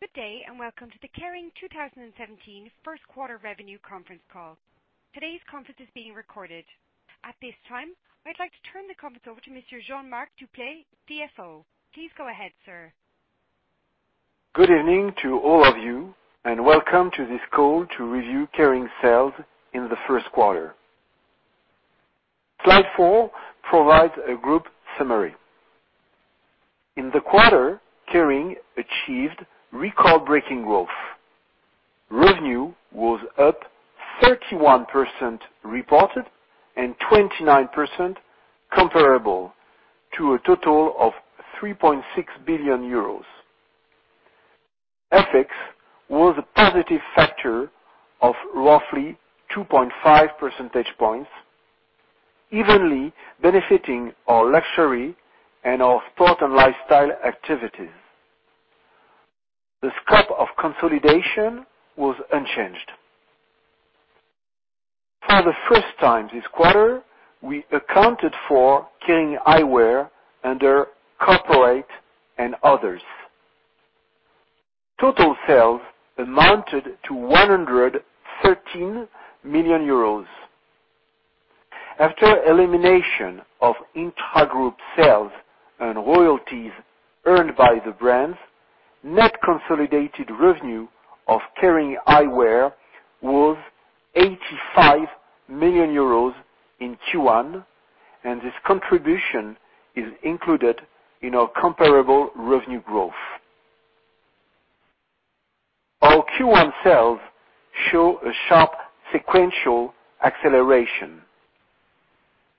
Good day, welcome to the Kering 2017 first quarter revenue conference call. Today's conference is being recorded. At this time, I'd like to turn the conference over to Monsieur Jean-Marc Duplaix, CFO. Please go ahead, sir. Good evening to all of you, welcome to this call to review Kering sales in the first quarter. Slide four provides a group summary. In the quarter, Kering achieved record-breaking growth. Revenue was up 31% reported and 29% comparable to a total of 3.6 billion euros. FX was a positive factor of roughly 2.5 percentage points, evenly benefiting our luxury and our sport and lifestyle activities. The scope of consolidation was unchanged. For the first time this quarter, we accounted for Kering Eyewear under corporate and others. Total sales amounted to 113 million euros. After elimination of intragroup sales and royalties earned by the brands, net consolidated revenue of Kering Eyewear was 85 million euros in Q1, and this contribution is included in our comparable revenue growth. Our Q1 sales show a sharp sequential acceleration.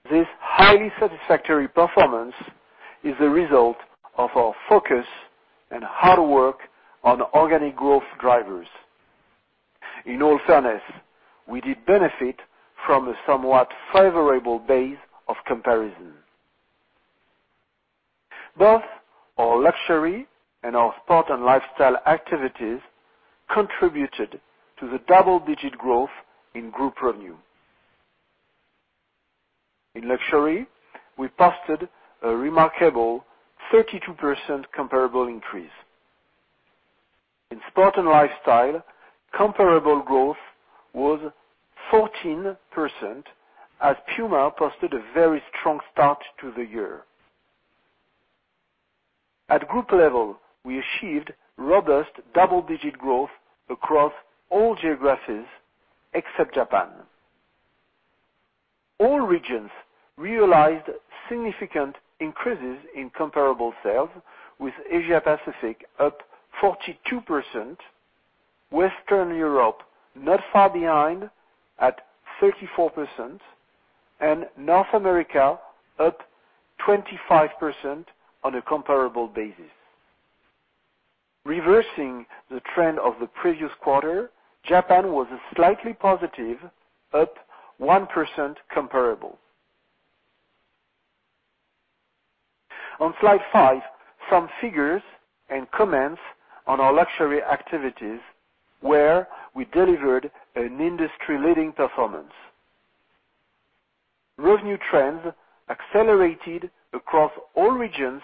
This highly satisfactory performance is a result of our focus and hard work on organic growth drivers. In all fairness, we did benefit from a somewhat favorable base of comparison. Both our luxury and our sport and lifestyle activities contributed to the double-digit growth in group revenue. In luxury, we posted a remarkable 32% comparable increase. In sport and lifestyle, comparable growth was 14% as Puma posted a very strong start to the year. At group level, we achieved robust double-digit growth across all geographies except Japan. All regions realized significant increases in comparable sales, with Asia Pacific up 42%, Western Europe not far behind at 34%, North America up 25% on a comparable basis. Reversing the trend of the previous quarter, Japan was slightly positive, up 1% comparable. On slide five, some figures and comments on our luxury activities, where we delivered an industry-leading performance. Revenue trends accelerated across all regions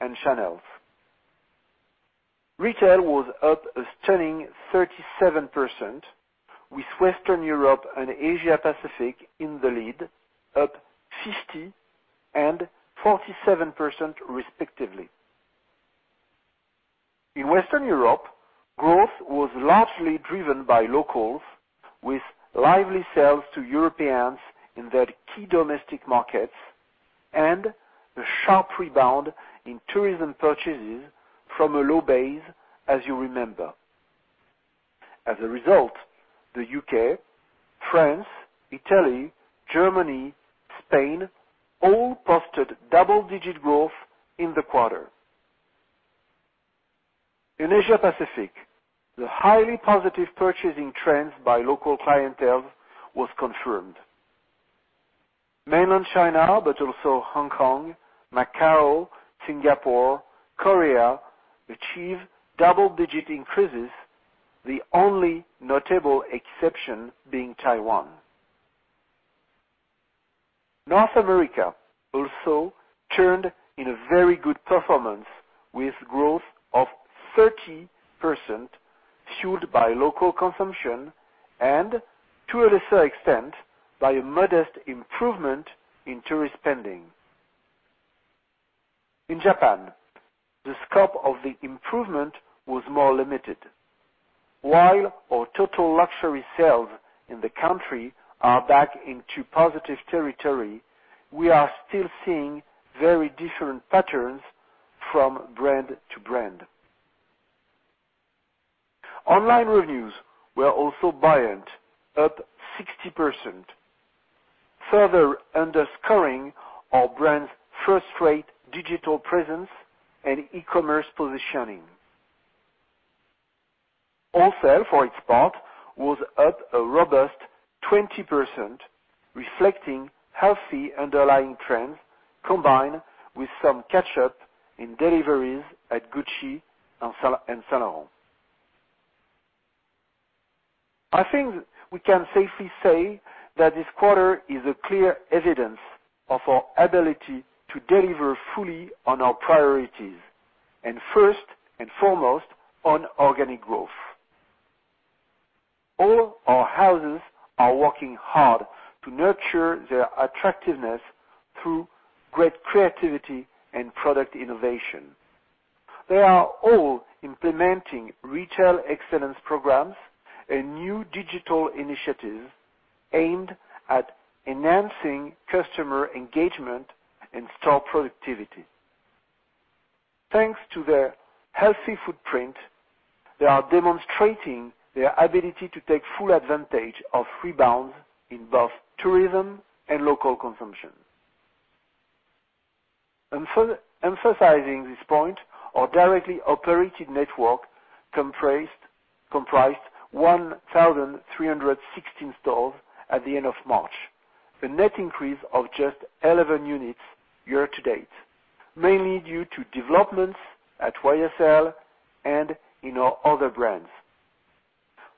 and channels. Retail was up a stunning 37%, with Western Europe and Asia Pacific in the lead, up 50% and 47% respectively. In Western Europe, growth was largely driven by locals, with lively sales to Europeans in their key domestic markets and a sharp rebound in tourism purchases from a low base, as you remember. As a result, the U.K., France, Italy, Germany, Spain all posted double-digit growth in the quarter. In Asia Pacific, the highly positive purchasing trends by local clientele was confirmed. Mainland China, also Hong Kong, Macau, Singapore, Korea, achieved double-digit increases, the only notable exception being Taiwan. North America also turned in a very good performance, with growth of 30% fueled by local consumption and, to a lesser extent, by a modest improvement in tourist spending. In Japan, the scope of the improvement was more limited. While our total luxury sales in the country are back into positive territory, we are still seeing very different patterns from brand to brand. Online revenues were also buoyant, up 60%, further underscoring our brand's first-rate digital presence and e-commerce positioning. Wholesale, for its part, was up a robust 20%, reflecting healthy underlying trends combined with some catch-up in deliveries at Gucci and Saint Laurent. I think we can safely say that this quarter is a clear evidence of our ability to deliver fully on our priorities, and first and foremost, on organic growth. All our houses are working hard to nurture their attractiveness through great creativity and product innovation. They are all implementing retail excellence programs and new digital initiatives aimed at enhancing customer engagement and store productivity. Thanks to their healthy footprint, they are demonstrating their ability to take full advantage of rebounds in both tourism and local consumption. Emphasizing this point, our directly operated network comprised 1,316 stores at the end of March, a net increase of just 11 units year to date, mainly due to developments at YSL and in our other brands.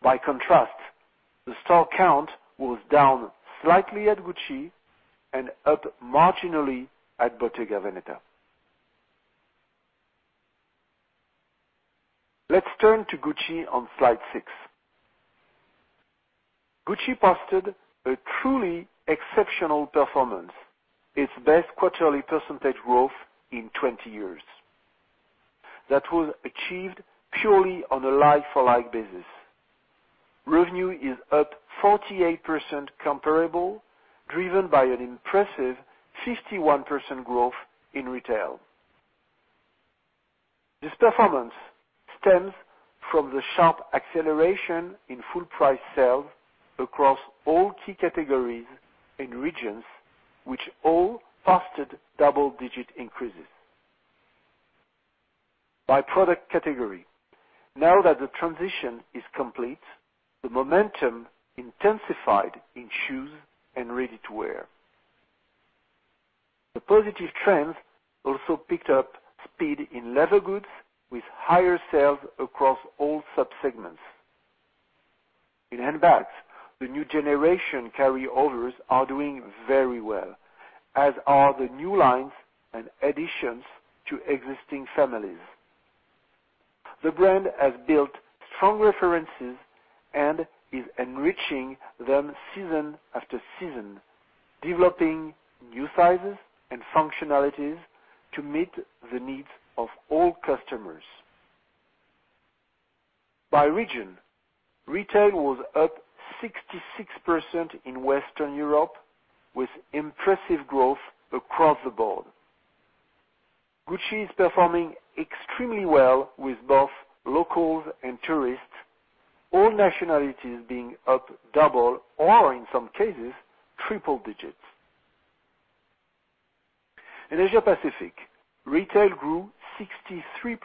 By contrast, the store count was down slightly at Gucci and up marginally at Bottega Veneta. Let's turn to Gucci on slide six. Gucci posted a truly exceptional performance, its best quarterly percentage growth in 20 years. That was achieved purely on a like-for-like basis. Revenue is up 48% comparable, driven by an impressive 51% growth in retail. This performance stems from the sharp acceleration in full price sales across all key categories and regions, which all posted double-digit increases. By product category, now that the transition is complete, the momentum intensified in shoes and ready-to-wear. The positive trends also picked up speed in leather goods, with higher sales across all sub-segments. In handbags, the new generation carryovers are doing very well, as are the new lines and additions to existing families. The brand has built strong references and is enriching them season after season, developing new sizes and functionalities to meet the needs of all customers. By region, retail was up 66% in Western Europe, with impressive growth across the board. Gucci is performing extremely well with both locals and tourists, all nationalities being up double, or in some cases, triple digits. In Asia Pacific, retail grew 63%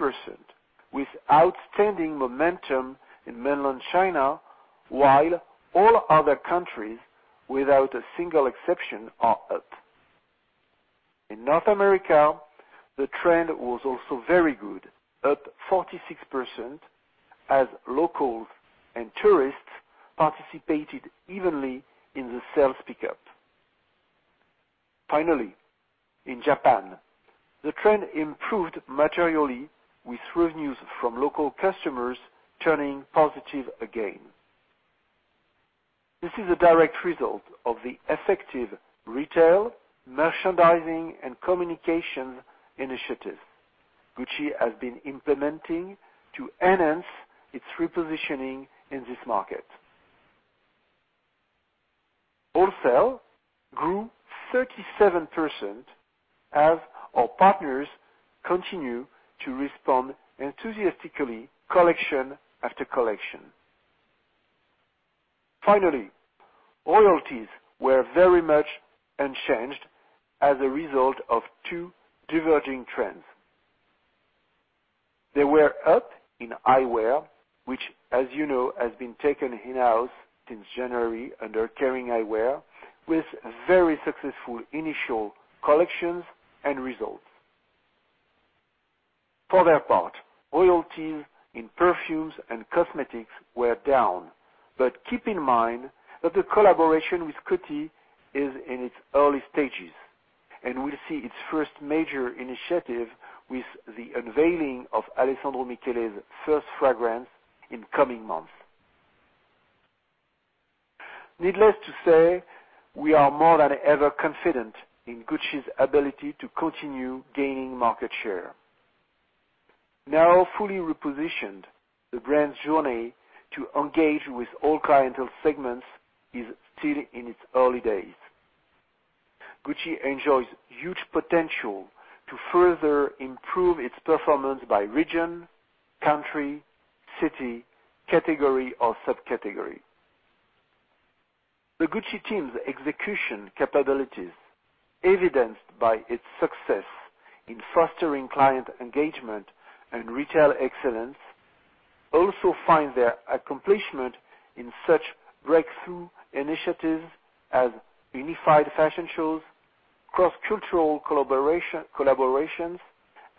with outstanding momentum in mainland China, while all other countries, without a single exception, are up. In North America, the trend was also very good, up 46%, as locals and tourists participated evenly in the sales pickup. Finally, in Japan, the trend improved materially with revenues from local customers turning positive again. This is a direct result of the effective retail, merchandising, and communication initiatives Gucci has been implementing to enhance its repositioning in this market. Wholesale grew 37% as our partners continue to respond enthusiastically collection after collection. Finally, royalties were very much unchanged as a result of two diverging trends. They were up in eyewear, which, as you know, has been taken in-house since January under Kering Eyewear, with very successful initial collections and results. For their part, royalties in perfumes and cosmetics were down. Keep in mind that the collaboration with Coty is in its early stages, and we'll see its first major initiative with the unveiling of Alessandro Michele's first fragrance in coming months. Needless to say, we are more than ever confident in Gucci's ability to continue gaining market share. Now fully repositioned, the brand's journey to engage with all clientele segments is still in its early days. Gucci enjoys huge potential to further improve its performance by region, country, city, category, or subcategory. The Gucci team's execution capabilities, evidenced by its success in fostering client engagement and retail excellence, also find their accomplishment in such breakthrough initiatives as unified fashion shows, cross-cultural collaborations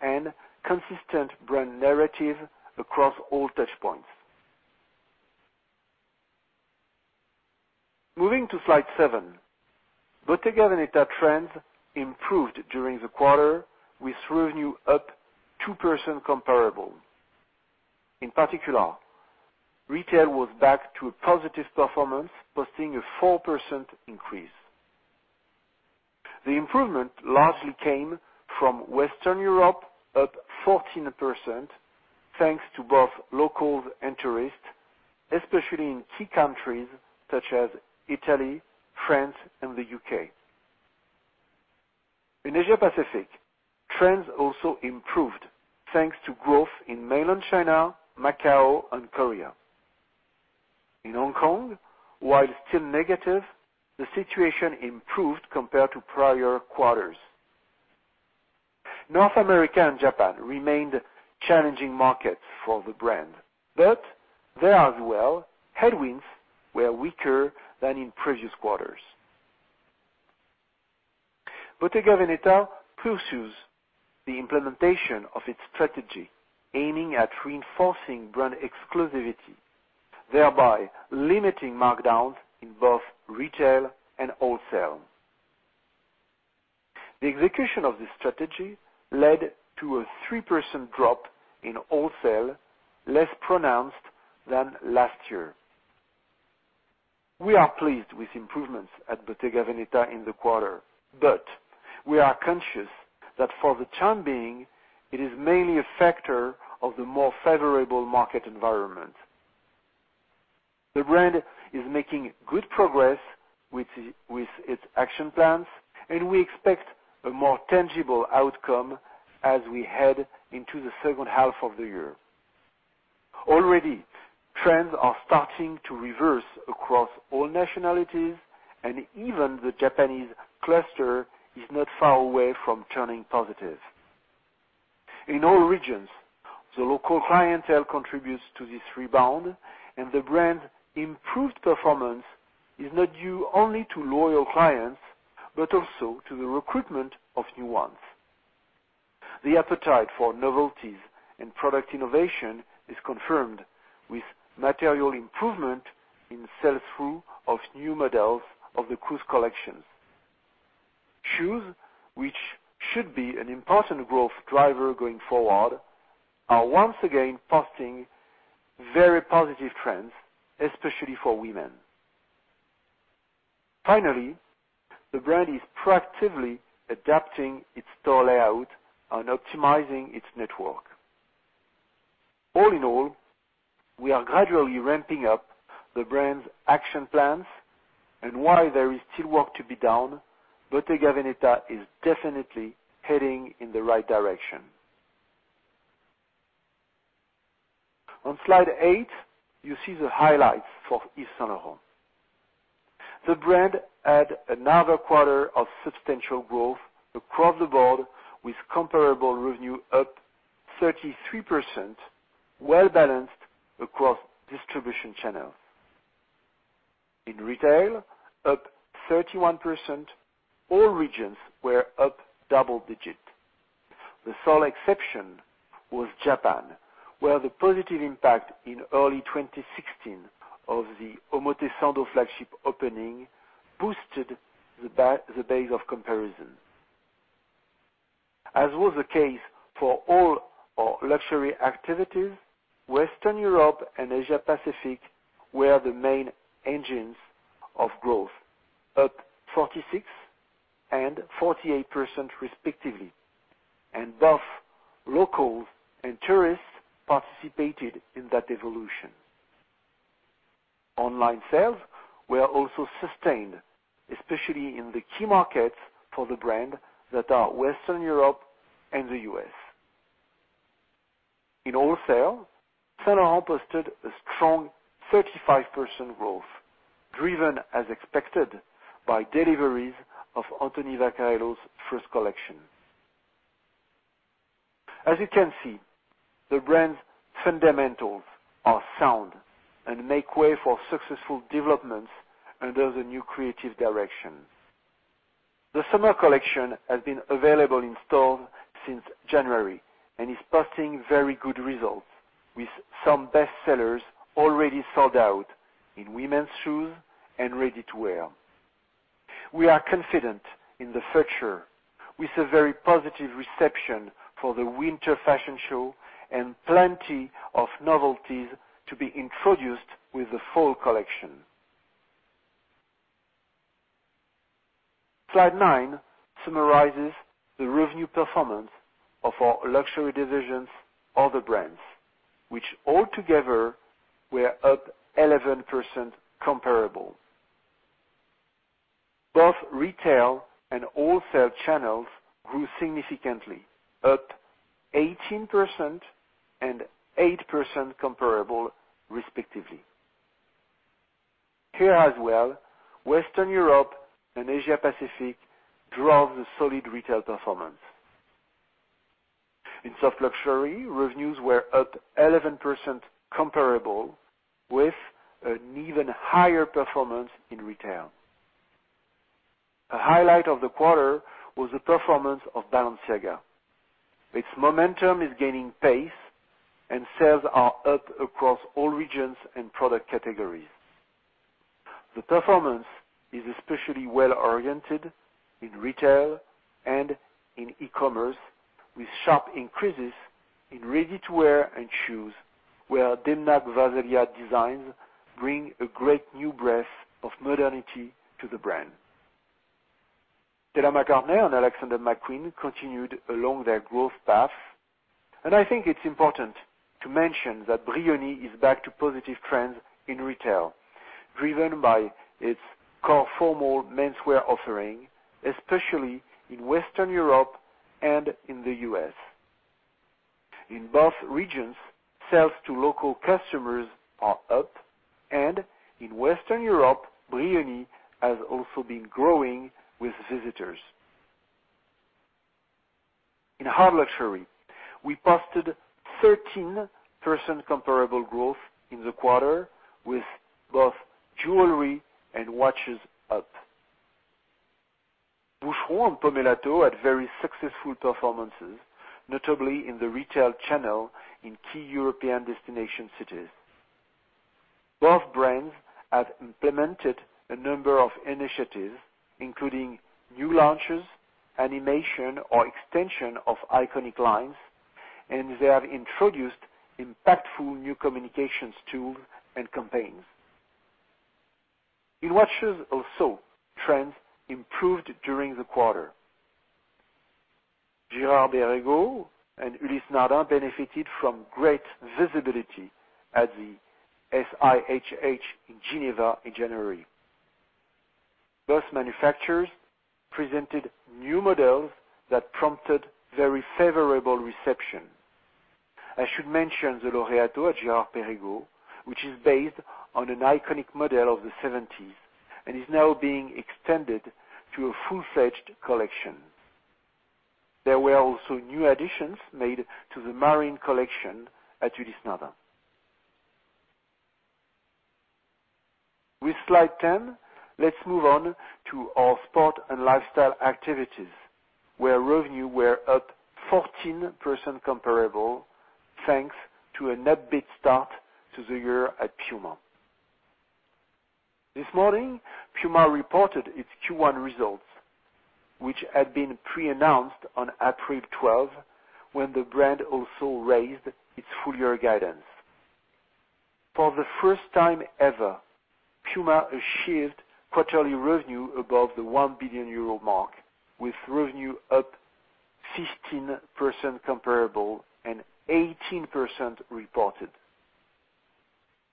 and consistent brand narrative across all touch points. Moving to slide seven, Bottega Veneta trends improved during the quarter with revenue up 2% comparable. In particular, retail was back to a positive performance, posting a 4% increase. The improvement largely came from Western Europe, up 14%, thanks to both locals and tourists, especially in key countries such as Italy, France, and the U.K. In Asia Pacific, trends also improved thanks to growth in mainland China, Macau, and Korea. In Hong Kong, while still negative, the situation improved compared to prior quarters. North America and Japan remained challenging markets for the brand, but there as well, headwinds were weaker than in previous quarters. Bottega Veneta pursues the implementation of its strategy, aiming at reinforcing brand exclusivity, thereby limiting markdowns in both retail and wholesale. The execution of this strategy led to a 3% drop in wholesale, less pronounced than last year. We are pleased with improvements at Bottega Veneta in the quarter, but we are conscious that for the time being, it is mainly a factor of the more favorable market environment. The brand is making good progress with its action plans. We expect a more tangible outcome as we head into the second half of the year. Already, trends are starting to reverse across all nationalities, and even the Japanese cluster is not far away from turning positive. In all regions, the local clientele contributes to this rebound. The brand improved performance is not due only to loyal clients, but also to the recruitment of new ones. The appetite for novelties and product innovation is confirmed with material improvement in sell-through of new models of the cruise collections. Shoes, which should be an important growth driver going forward, are once again posting very positive trends, especially for women. Finally, the brand is proactively adapting its store layout and optimizing its network. All in all, we are gradually ramping up the brand's action plans. While there is still work to be done, Bottega Veneta is definitely heading in the right direction. On slide eight, you see the highlights for Yves Saint Laurent. The brand had another quarter of substantial growth across the board, with comparable revenue up 33%, well-balanced across distribution channels. In retail, up 31%, all regions were up double digit. The sole exception was Japan, where the positive impact in early 2016 of the Omotesando flagship opening boosted the base of comparison. As was the case for all our luxury activities, Western Europe and Asia Pacific were the main engines of growth, up 46% and 48% respectively. Both locals and tourists participated in that evolution. Online sales were also sustained, especially in the key markets for the brand that are Western Europe and the U.S. In wholesale, Saint Laurent posted a strong 35% growth, driven as expected by deliveries of Anthony Vaccarello's first collection. As you can see, the brand's fundamentals are sound and make way for successful developments under the new creative direction. The summer collection has been available in stores since January and is posting very good results with some bestsellers already sold out in women's shoes and ready-to-wear. We are confident in the future with a very positive reception for the winter fashion show and plenty of novelties to be introduced with the fall collection. Slide nine summarizes the revenue performance of our luxury division's other brands, which all together were up 11% comparable. Both retail and wholesale channels grew significantly, up 18% and 8% comparable, respectively. Here as well, Western Europe and Asia Pacific drove the solid retail performance. In soft luxury, revenues were up 11% comparable with an even higher performance in retail. A highlight of the quarter was the performance of Balenciaga. Its momentum is gaining pace, and sales are up across all regions and product categories. The performance is especially well-oriented in retail and in e-commerce, with sharp increases in ready-to-wear and shoes, where Demna Gvasalia designs bring a great new breath of modernity to the brand. Stella McCartney and Alexander McQueen continued along their growth path. I think it's important to mention that Brioni is back to positive trends in retail, driven by its core formal menswear offering, especially in Western Europe and in the U.S. In both regions, sales to local customers are up, and in Western Europe, Brioni has also been growing with visitors. In hard luxury, we posted 13% comparable growth in the quarter with both jewelry and watches up. Boucheron and Pomellato had very successful performances, notably in the retail channel in key European destination cities. Both brands have implemented a number of initiatives, including new launches, animation, or extension of iconic lines, and they have introduced impactful new communications tools and campaigns. In watches also, trends improved during the quarter. Girard-Perregaux and Ulysse Nardin benefited from great visibility at the SIHH in Geneva in January. Both manufacturers presented new models that prompted very favorable reception. I should mention the Laureato at Girard-Perregaux, which is based on an iconic model of the '70s and is now being extended to a full-fledged collection. There were also new additions made to the Marine collection at Ulysse Nardin. With slide 10, let's move on to our sport and lifestyle activities, where revenue were up 14% comparable, thanks to an upbeat start to the year at Puma. This morning, Puma reported its Q1 results, which had been pre-announced on April 12, when the brand also raised its full-year guidance. For the first time ever, Puma achieved quarterly revenue above the 1 billion euro mark, with revenue up 15% comparable and 18% reported.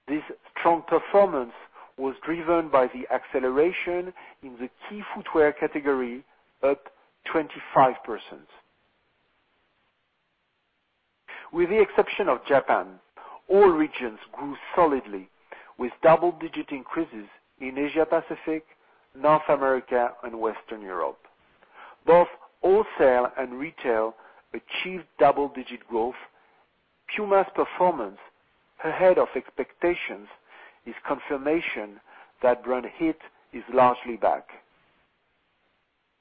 This strong performance was driven by the acceleration in the key footwear category, up 25%. With the exception of Japan, all regions grew solidly with double-digit increases in Asia Pacific, North America, and Western Europe. Both wholesale and retail achieved double-digit growth. Puma's performance ahead of expectations is confirmation that brand heat is largely back.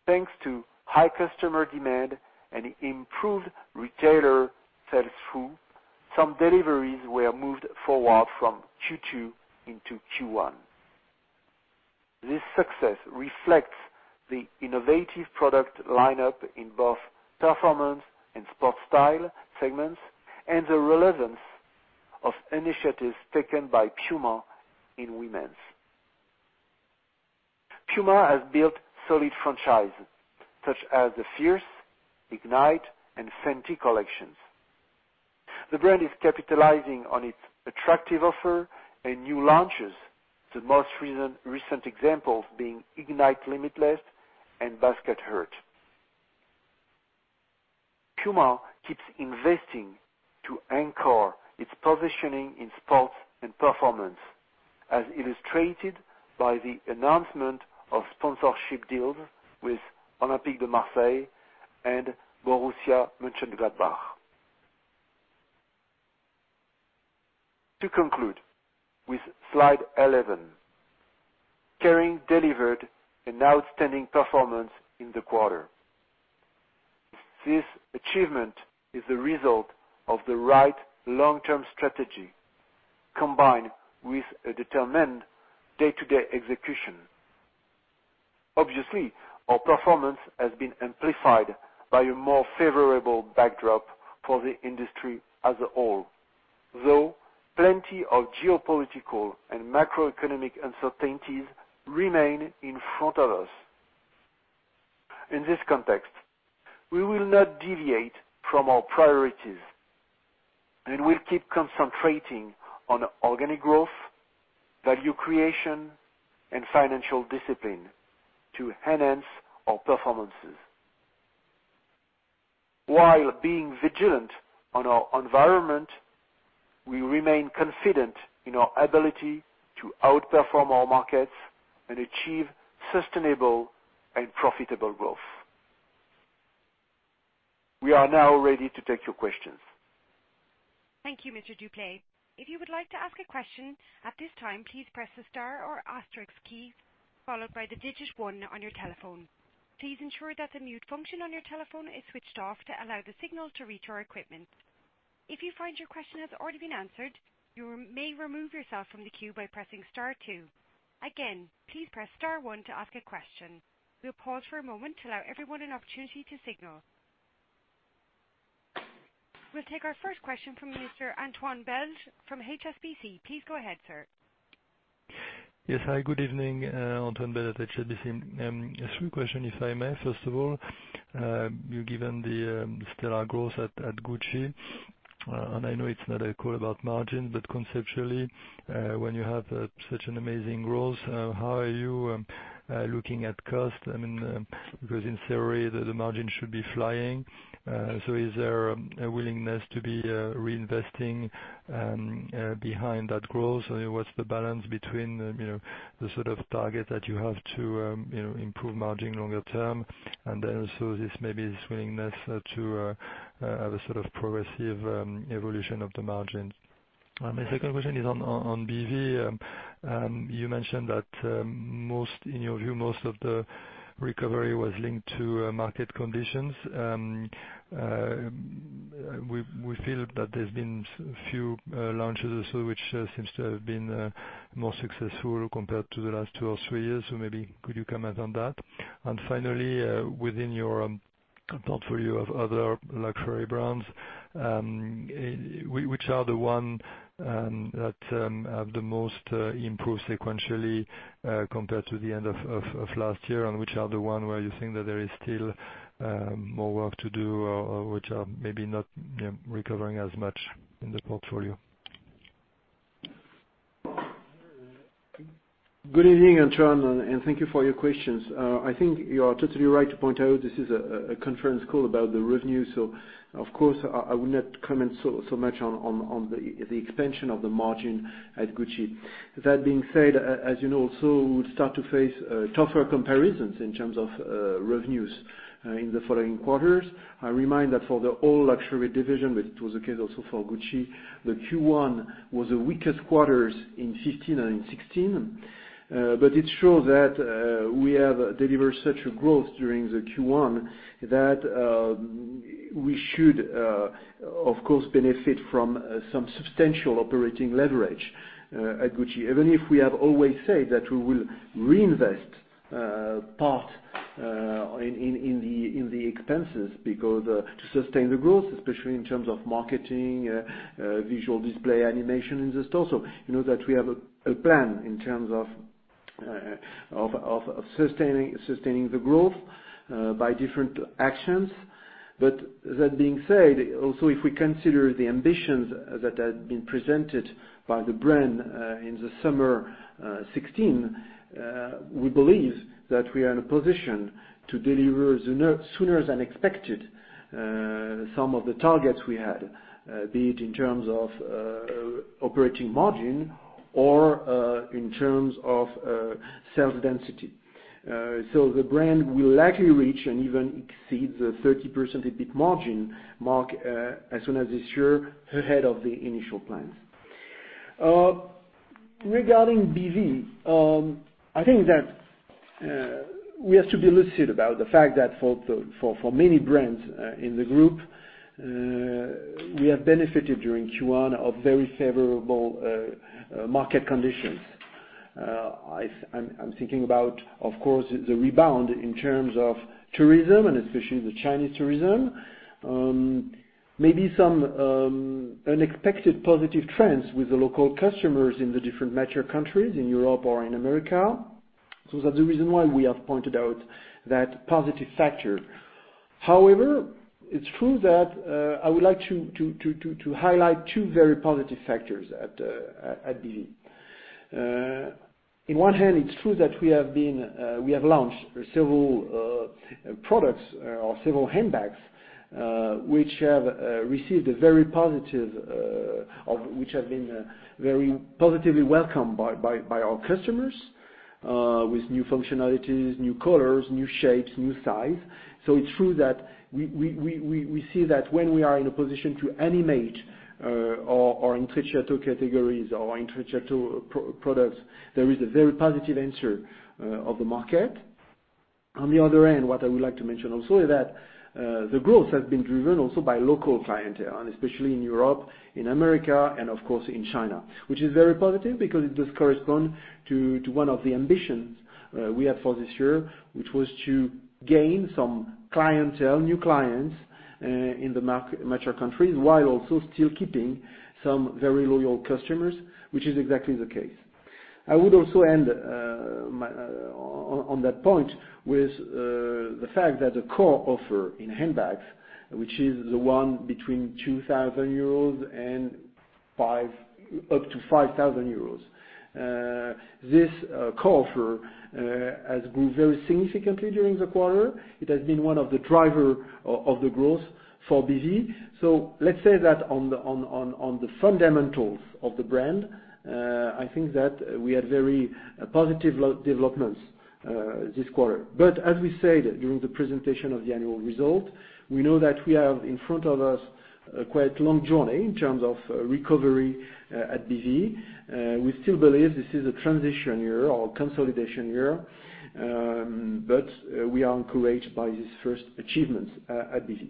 Thanks to high customer demand and improved retailer sell-through, some deliveries were moved forward from Q2 into Q1. This success reflects the innovative product lineup in both performance and sport style segments and the relevance of initiatives taken by Puma in women's. Puma has built solid franchises such as the Fierce, Ignite, and Fenty collections. The brand is capitalizing on its attractive offer and new launches, the most recent examples being Ignite Limitless and Basket Heart. Puma keeps investing to anchor its positioning in sports and performance, as illustrated by the announcement of sponsorship deals with Olympique de Marseille and Borussia Mönchengladbach. To conclude with slide 11, Kering delivered an outstanding performance in the quarter. This achievement is the result of the right long-term strategy combined with a determined day-to-day execution. Obviously, our performance has been amplified by a more favorable backdrop for the industry as a whole, though plenty of geopolitical and macroeconomic uncertainties remain in front of us. In this context, we will not deviate from our priorities. We'll keep concentrating on organic growth, value creation, and financial discipline to enhance our performances while being vigilant on our environment. We remain confident in our ability to outperform our markets and achieve sustainable and profitable growth. We are now ready to take your questions. Thank you, Mr. Duplaix. If you would like to ask a question at this time, please press the star or asterisk key, followed by the digit 1 on your telephone. Please ensure that the mute function on your telephone is switched off to allow the signal to reach our equipment. If you find your question has already been answered, you may remove yourself from the queue by pressing star two. Again, please press star one to ask a question. We'll pause for a moment to allow everyone an opportunity to signal. We'll take our first question from Mr. Antoine Belge from HSBC. Please go ahead, sir. Yes, hi. Good evening. Antoine Belge at HSBC. Three question, if I may. First of all, given the stellar growth at Gucci, and I know it's not a call about margin, but conceptually, when you have such an amazing growth, how are you looking at cost? I mean, because in theory, the margin should be flying. Is there a willingness to be reinvesting behind that growth? What's the balance between the sort of target that you have to improve margin longer term, also maybe this willingness to have a sort of progressive evolution of the margin? My second question is on BV. You mentioned that in your view, most of the recovery was linked to market conditions. We feel that there's been a few launches also which seems to have been more successful compared to the last two or three years. maybe could you comment on that? finally, within your portfolio of other luxury brands, which are the one that have the most improved sequentially, compared to the end of last year, and which are the one where you think that there is still more work to do or which are maybe not recovering as much in the portfolio? Good evening, Antoine, and thank you for your questions. I think you are totally right to point out this is a conference call about the revenue. of course, I will not comment so much on the expansion of the margin at Gucci. That being said, as you know, we start to face tougher comparisons in terms of revenues in the following quarters. I remind that for the whole luxury division, which was the case also for Gucci, the Q1 was the weakest quarters in 2015 and in 2016. it shows that we have delivered such a growth during the Q1 that we should, of course, benefit from some substantial operating leverage at Gucci. Even if we have always said that we will reinvest part in the expenses because to sustain the growth, especially in terms of marketing, visual display animation in the store. you know that we have a plan in terms of sustaining the growth by different actions. that being said, also if we consider the ambitions that had been presented by the brand in the summer 2016, we believe that we are in a position to deliver sooner than expected some of the targets we had, be it in terms of operating margin or in terms of sales density. the brand will likely reach and even exceed the 30% EBIT margin mark as soon as this year, ahead of the initial plans. Regarding BV, I think that we have to be lucid about the fact that for many brands in the group, we have benefited during Q1 of very favorable market conditions. I'm thinking about, of course, the rebound in terms of tourism and especially the Chinese tourism. Maybe some unexpected positive trends with the local customers in the different mature countries in Europe or in America. Those are the reason why we have pointed out that positive factor. However, it's true that I would like to highlight two very positive factors at BV. In one hand, it's true that we have launched several products or several handbags, which have been very positively welcomed by our customers, with new functionalities, new colors, new shapes, new size. it's true that we see that when we are in a position to animate our entry-level categories or entry-level products, there is a very positive answer of the market. On the other hand, what I would like to mention also is that the growth has been driven also by local clientele, and especially in Europe, in America, and of course in China. Which is very positive because it does correspond to one of the ambitions we had for this year, which was to gain some clientele, new clients in the mature countries, while also still keeping some very loyal customers, which is exactly the case. I would also end on that point with the fact that the core offer in handbags, which is the one between 2,000 euros and 5,000 Up to 5,000 euros. This core offer has grown very significantly during the quarter. It has been one of the driver of the growth for BV. Let's say that on the fundamentals of the brand, I think that we had very positive developments this quarter. As we said during the presentation of the annual result, we know that we have in front of us quite a long journey in terms of recovery at BV. We still believe this is a transition year or consolidation year, we are encouraged by these first achievements at BV.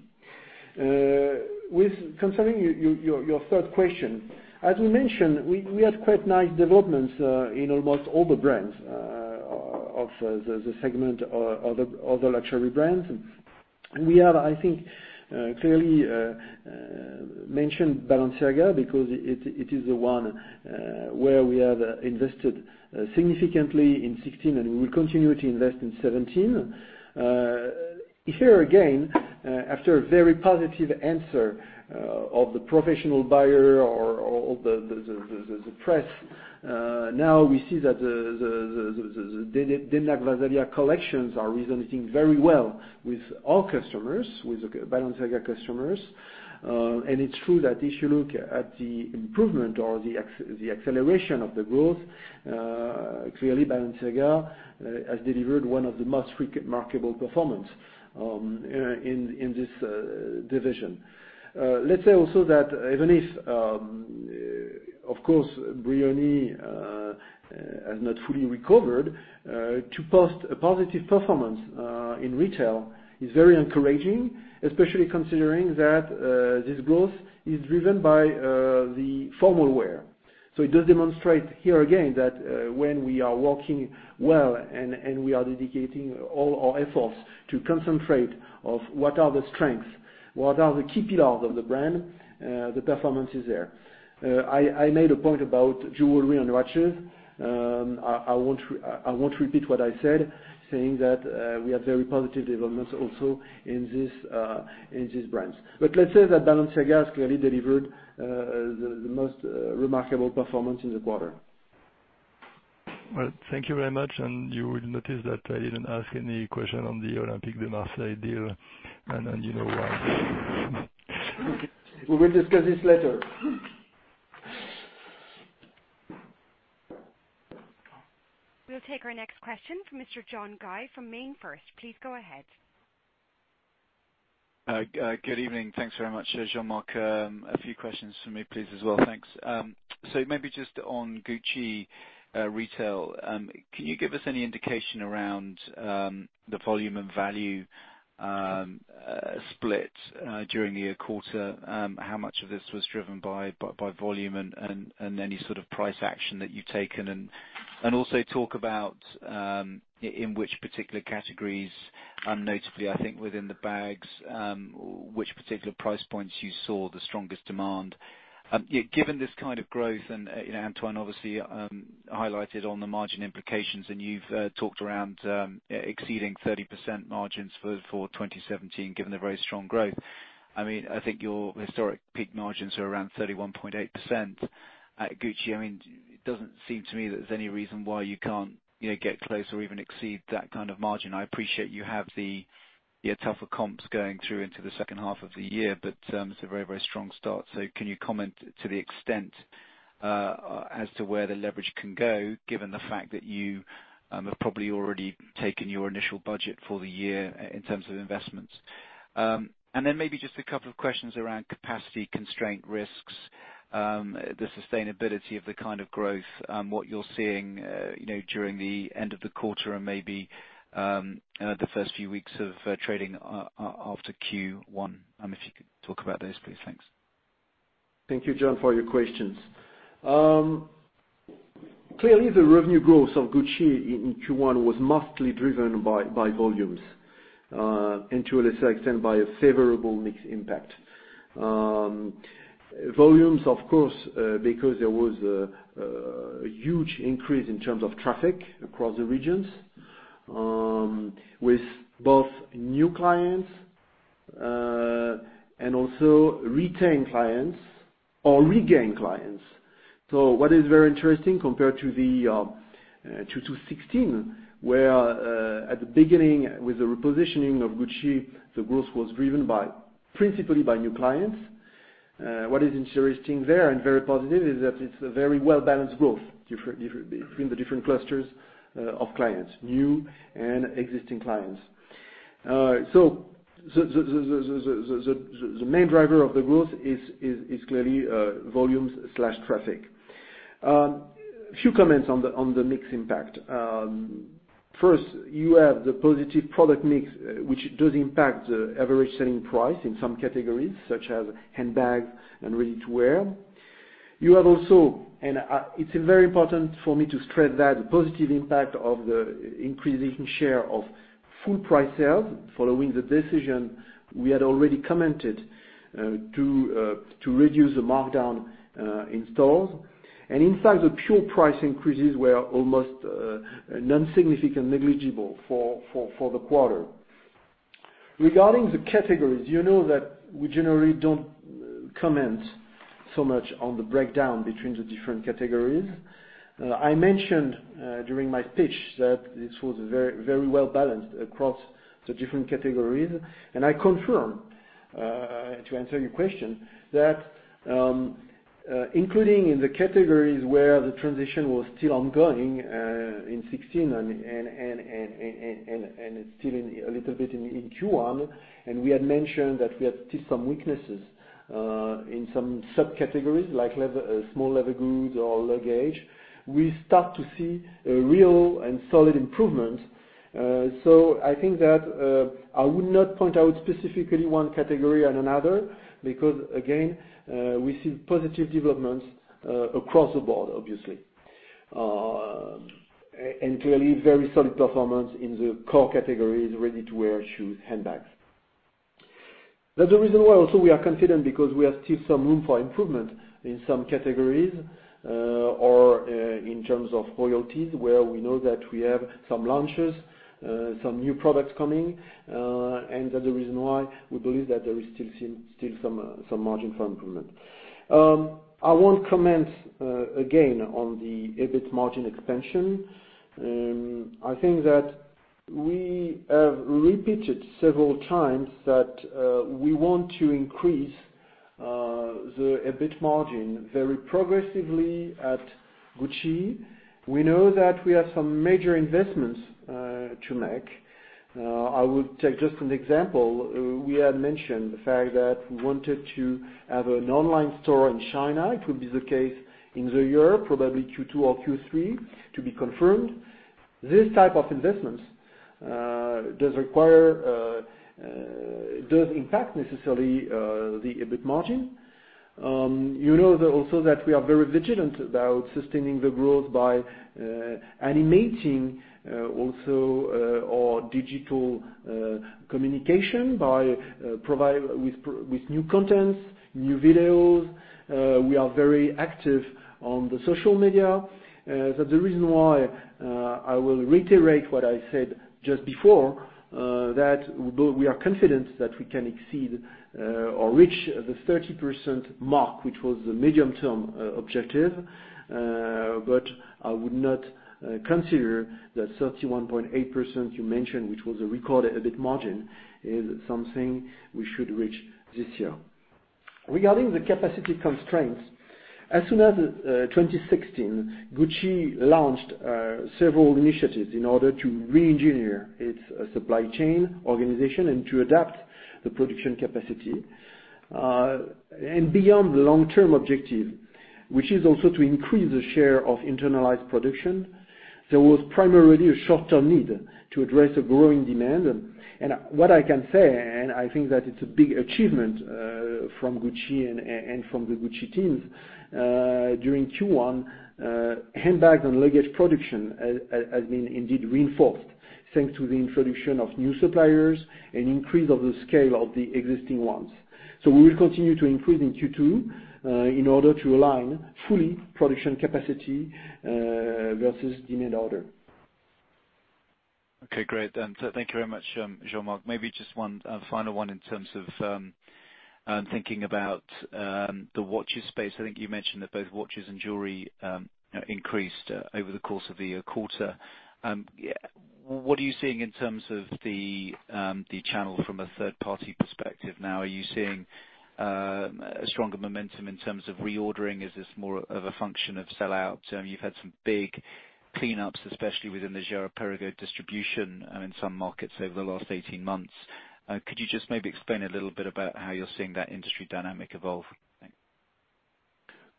Concerning your third question, as we mentioned, we had quite nice developments in almost all the brands of the segment of the luxury brands. We have, I think, clearly mentioned Balenciaga because it is the one where we have invested significantly in 2016 and we will continue to invest in 2017. Here again, after a very positive answer of the professional buyer or the press, now we see that the Demna Gvasalia collections are resonating very well with all customers, with the Balenciaga customers. It's true that if you look at the improvement or the acceleration of the growth, clearly Balenciaga has delivered one of the most remarkable performance in this division. Let's say also that even if, of course, Brioni has not fully recovered, to post a positive performance in retail is very encouraging, especially considering that this growth is driven by the formal wear. It does demonstrate here again that when we are working well, and we are dedicating all our efforts to concentrate of what are the strengths, what are the key pillars of the brand, the performance is there. I made a point about jewelry and watches. I won't repeat what I said, saying that we have very positive developments also in these brands. Let's say that Balenciaga has clearly delivered the most remarkable performance in the quarter. Well, thank you very much. You will notice that I didn't ask any question on the Olympique de Marseille deal, you know why. We will discuss this later. We'll take our next question from Mr. John Guy from MainFirst. Please go ahead. Good evening. Thanks very much. Jean-Marc, a few questions from me, please, as well. Thanks. Maybe just on Gucci retail, can you give us any indication around the volume and value split during the quarter? How much of this was driven by volume and any sort of price action that you've taken? Also talk about in which particular categories, and notably, I think within the bags, which particular price points you saw the strongest demand. Given this kind of growth, Antoine obviously highlighted on the margin implications, you've talked around exceeding 30% margins for 2017 given the very strong growth. I think your historic peak margins are around 31.8% at Gucci. It doesn't seem to me that there's any reason why you can't get close or even exceed that kind of margin. I appreciate you have the tougher comps going through into the second half of the year, but it's a very strong start. Can you comment to the extent as to where the leverage can go, given the fact that you have probably already taken your initial budget for the year in terms of investments? Then maybe just a couple of questions around capacity constraint risks, the sustainability of the kind of growth, what you're seeing during the end of the quarter and maybe the first few weeks of trading after Q1. If you could talk about those, please. Thanks. Thank you, John, for your questions. Clearly, the revenue growth of Gucci in Q1 was mostly driven by volumes, and to a lesser extent by a favorable mix impact. Volumes, of course, because there was a huge increase in terms of traffic across the regions with both new clients and also retained clients or regained clients. What is very interesting compared to 2016, where at the beginning with the repositioning of Gucci, the growth was driven principally by new clients. What is interesting there and very positive is that it's a very well-balanced growth between the different clusters of clients, new and existing clients. The main driver of the growth is clearly volumes/traffic. A few comments on the mix impact. First, you have the positive product mix, which does impact the average selling price in some categories, such as handbag and ready-to-wear. You have also, and it's very important for me to stress that, the positive impact of the increasing share of full-price sales following the decision we had already commented to reduce the markdown in stores. Inside, the pure price increases were almost non-significant, negligible for the quarter. Regarding the categories, you know that we generally don't comment so much on the breakdown between the different categories. I mentioned during my pitch that this was very well-balanced across the different categories, and I confirm, to answer your question, that including in the categories where the transition was still ongoing, in 2016 and it's still a little bit in Q1, and we had mentioned that we had still some weaknesses in some sub-categories like small leather goods or luggage. We start to see a real and solid improvement. I think that I would not point out specifically one category and another because, again, we see positive developments across the board, obviously. Clearly, very solid performance in the core categories, ready-to-wear, shoes, handbags. That's the reason why also we are confident because we have still some room for improvement in some categories, or in terms of royalties, where we know that we have some launches, some new products coming, and that's the reason why we believe that there is still some margin for improvement. I won't comment again on the EBIT margin expansion. I think that we have repeated several times that we want to increase the EBIT margin very progressively at Gucci. We know that we have some major investments to make. I would take just an example. We had mentioned the fact that we wanted to have an online store in China. It will be the case in the year, probably Q2 or Q3, to be confirmed. This type of investment does impact necessarily the EBIT margin. You know also that we are very vigilant about sustaining the growth by animating also our digital communication by providing with new contents, new videos. We are very active on the social media. That's the reason why I will reiterate what I said just before, that we are confident that we can exceed or reach the 30% mark, which was the medium-term objective. I would not consider that 31.8% you mentioned, which was a record EBIT margin, is something we should reach this year. Regarding the capacity constraints, as soon as 2016, Gucci launched several initiatives in order to re-engineer its supply chain organization and to adapt the production capacity. Beyond the long-term objective, which is also to increase the share of internalized production, there was primarily a short-term need to address a growing demand. What I can say, and I think that it's a big achievement from Gucci and from the Gucci teams, during Q1, handbag and luggage production has been indeed reinforced thanks to the introduction of new suppliers and increase of the scale of the existing ones. We will continue to improve in Q2 in order to align fully production capacity versus demand order. Okay, great. Thank you very much, Jean-Marc. Maybe just one final one in terms of thinking about the watches space. I think you mentioned that both watches and jewelry increased over the course of the quarter. What are you seeing in terms of the channel from a third-party perspective now? Are you seeing a stronger momentum in terms of reordering? Is this more of a function of sell-out? You've had some big cleanups, especially within the Girard-Perregaux distribution in some markets over the last 18 months. Could you just maybe explain a little bit about how you're seeing that industry dynamic evolve?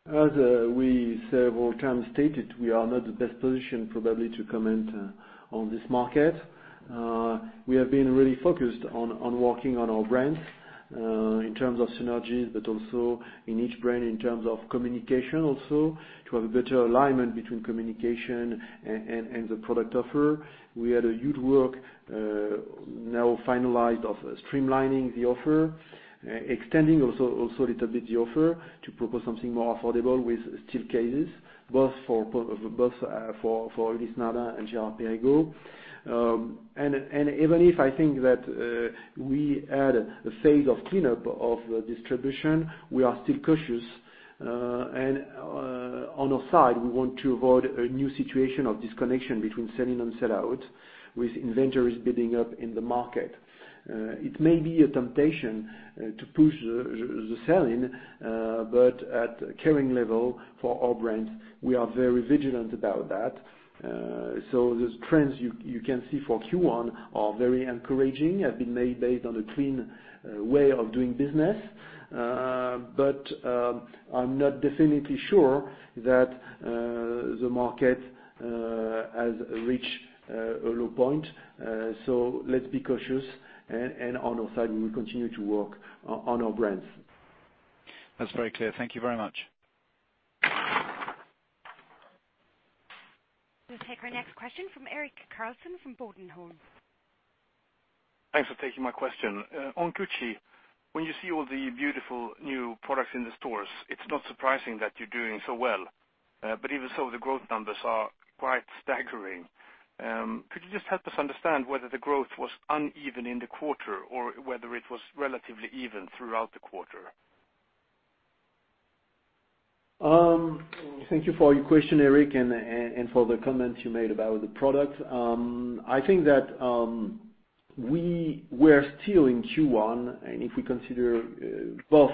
As we several times stated, we are not in the best position probably to comment on this market. We have been really focused on working on our brands, in terms of synergies, but also in each brand in terms of communication also, to have a better alignment between communication and the product offer. We had a huge work, now finalized, of streamlining the offer, extending also a little bit the offer to propose something more affordable with steel cases, both for Yves Saint Laurent and Girard-Perregaux. Even if I think that we had a phase of cleanup of distribution, we are still cautious. On our side, we want to avoid a new situation of disconnection between sell in and sell out, with inventories building up in the market. It may be a temptation to push the sell in, at Kering level, for our brands, we are very vigilant about that. The trends you can see for Q1 are very encouraging, have been made based on a clean way of doing business. I'm not definitely sure that the market has reached a low point. Let's be cautious, and on our side, we will continue to work on our brands. That's very clear. Thank you very much. We'll take our next question from Erik Karlsson from Bodenholm. Thanks for taking my question. On Gucci, when you see all the beautiful new products in the stores, it's not surprising that you're doing so well. Even so, the growth numbers are quite staggering. Could you just help us understand whether the growth was uneven in the quarter, or whether it was relatively even throughout the quarter? Thank you for your question, Erik, and for the comments you made about the product. I think that we were still in Q1, and if we consider both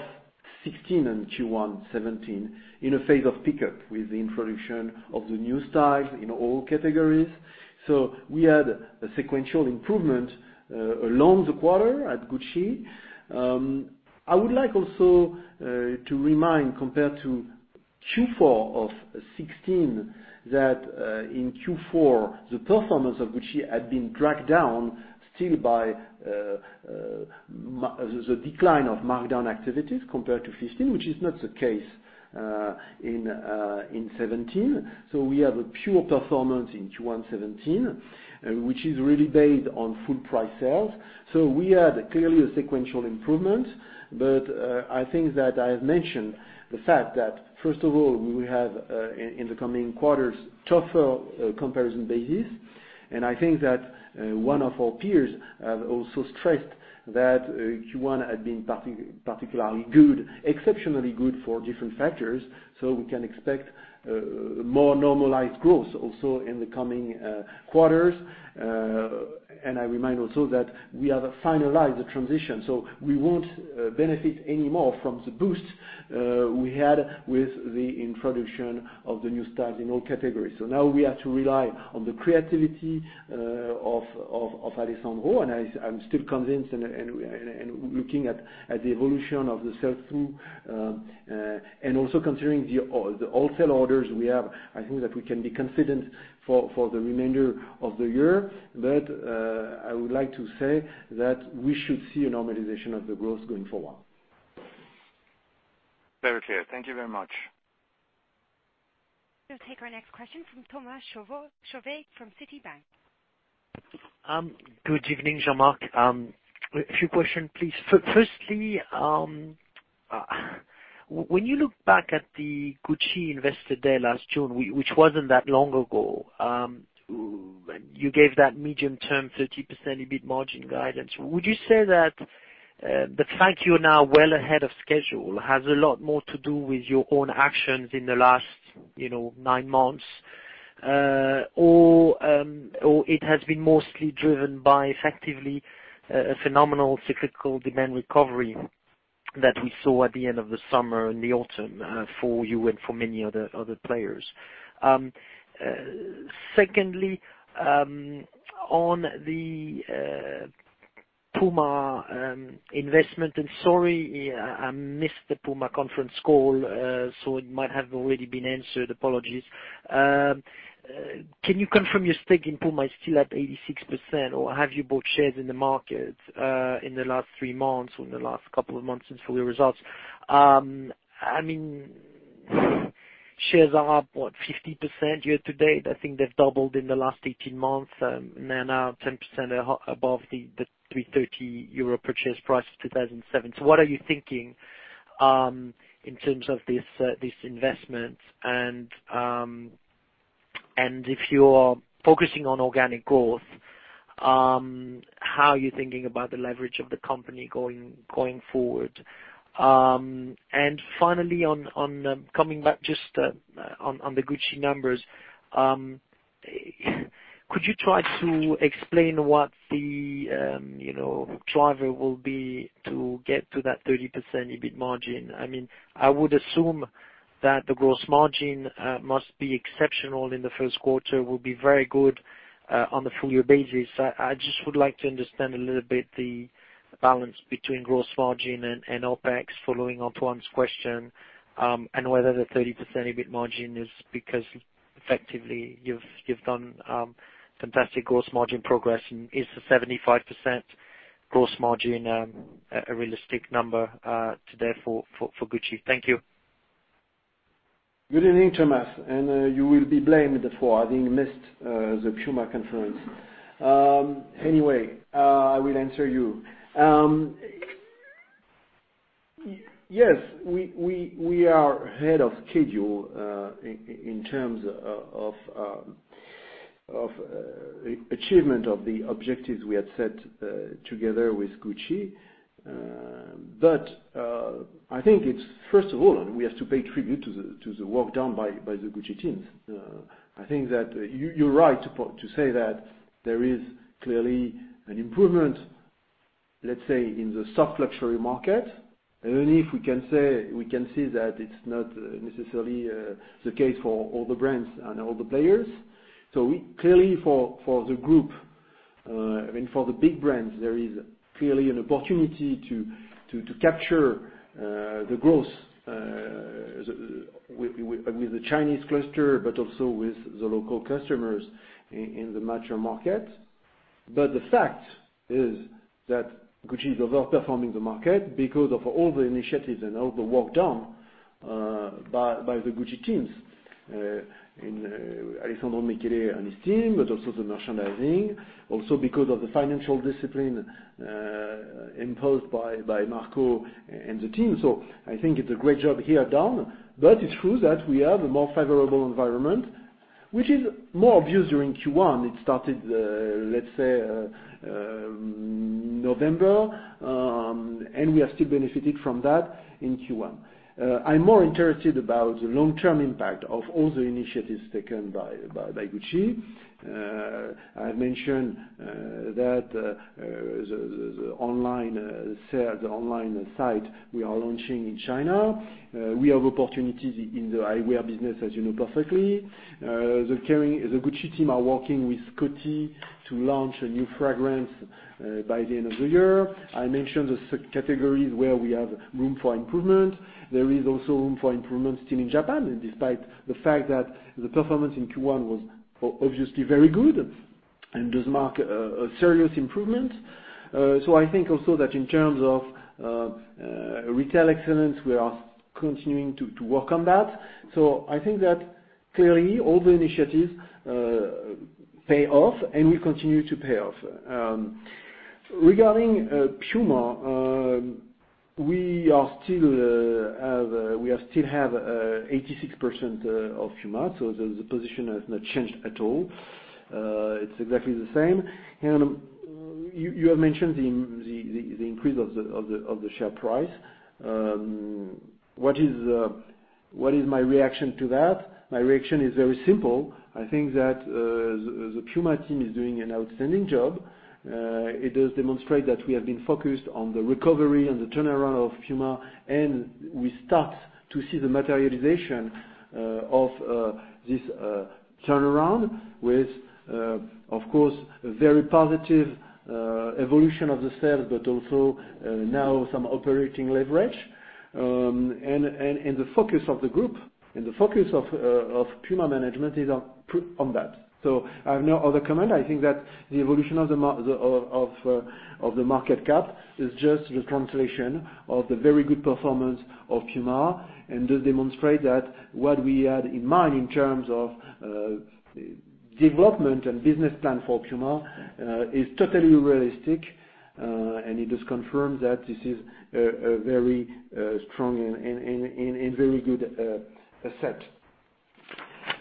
2016 and Q1 2017, in a phase of pickup with the introduction of the new styles in all categories. We had a sequential improvement along the quarter at Gucci. I would like also to remind, compared to Q4 of 2016, that in Q4, the performance of Gucci had been dragged down still by the decline of markdown activities compared to 2015, which is not the case in 2017. We have a pure performance in Q1 2017, which is really based on full price sales. We had, clearly, a sequential improvement. I think that I have mentioned the fact that, first of all, we have, in the coming quarters, tougher comparison bases. I think that one of our peers have also stressed that Q1 had been particularly good, exceptionally good for different factors, we can expect more normalized growth also in the coming quarters. I remind also that we have finalized the transition. We won't benefit any more from the boost we had with the introduction of the new styles in all categories. Now we have to rely on the creativity of Alessandro. I'm still convinced, and looking at the evolution of the sell-through, and also considering the wholesale orders we have, I think that we can be confident for the remainder of the year. I would like to say that we should see a normalization of the growth going forward. Very clear. Thank you very much. We'll take our next question from Thomas Chauvet from Citi. Good evening, Jean-Marc. A few question, please. Firstly, when you look back at the Gucci investor day last June, which wasn't that long ago, you gave that medium term 30% EBIT margin guidance. Would you say that the fact you're now well ahead of schedule has a lot more to do with your own actions in the last nine months, or it has been mostly driven by, effectively, a phenomenal cyclical demand recovery that we saw at the end of the summer and the autumn for you and for many other players? Secondly, on the Puma investment, sorry, I missed the Puma conference call, it might have already been answered. Apologies. Can you confirm your stake in Puma is still at 86%, or have you bought shares in the market in the last three months or in the last couple of months since full year results? Shares are up, what, 50% year to date. I think they've doubled in the last 18 months, and they're now 10% above the 330 euro purchase price of 2007. What are you thinking in terms of this investment? If you're focusing on organic growth, how are you thinking about the leverage of the company going forward? Finally, coming back just on the Gucci numbers, could you try to explain what the driver will be to get to that 30% EBIT margin? I would assume that the gross margin must be exceptional in the first quarter, will be very good on the full year basis. I just would like to understand a little bit the balance between gross margin and OpEx following Antoine's question, and whether the 30% EBIT margin is because effectively you've done fantastic gross margin progress. Is the 75% gross margin a realistic number today for Gucci? Thank you. Good evening, Thomas. You will be blamed for having missed the Puma conference. Anyway, I will answer you. Yes, we are ahead of schedule in terms of achievement of the objectives we had set together with Gucci. But I think it's, first of all, and we have to pay tribute to the work done by the Gucci teams. I think that you're right to say that there is clearly an improvement, let's say, in the soft luxury market. Only if we can see that it's not necessarily the case for all the brands and all the players. Clearly for the group, I mean for the big brands, there is clearly an opportunity to capture the growth with the Chinese cluster, but also with the local customers in the mature market. The fact is that Gucci is over-performing the market because of all the initiatives and all the work done by the Gucci teams, in Alessandro Michele and his team, but also the merchandising, also because of the financial discipline imposed by Marco and the team. I think it's a great job here done, but it's true that we have a more favorable environment which is more obvious during Q1. It started, let's say, November, and we are still benefiting from that in Q1. I'm more interested about the long-term impact of all the initiatives taken by Gucci. I mentioned that the online site we are launching in China. We have opportunities in the eyewear business, as you know perfectly. The Gucci team are working with Coty to launch new fragrance by the end of the year. I mentioned the categories where we have room for improvement. Despite the fact that the performance in Q1 was obviously very good and does mark a serious improvement. I think also that in terms of retail excellence, we are continuing to work on that. I think that clearly all the initiatives pay off and will continue to pay off. Regarding Puma, we still have 86% of Puma, so the position has not changed at all. It's exactly the same. You have mentioned the increase of the share price. What is my reaction to that? My reaction is very simple. I think that the Puma team is doing an outstanding job. It does demonstrate that we have been focused on the recovery and the turnaround of Puma, we start to see the materialization of this turnaround with, of course, very positive evolution of the sales, but also now some operating leverage. The focus of the group, and the focus of Puma management is on that. I have no other comment. I think that the evolution of the market cap is just the translation of the very good performance of Puma, does demonstrate that what we had in mind in terms of development and business plan for Puma is totally realistic. It just confirms that this is a very strong and very good asset.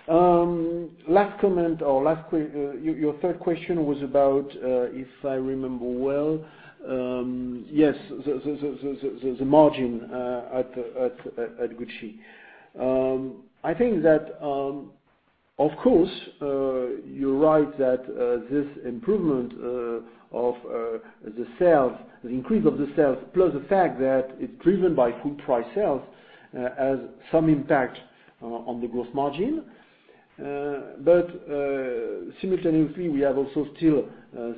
Last comment, or your third question was about, if I remember well, the margin at Gucci. I think that, of course, you're right that this improvement of the sales, the increase of the sales, plus the fact that it's driven by full price sales, has some impact on the gross margin. Simultaneously, we have also still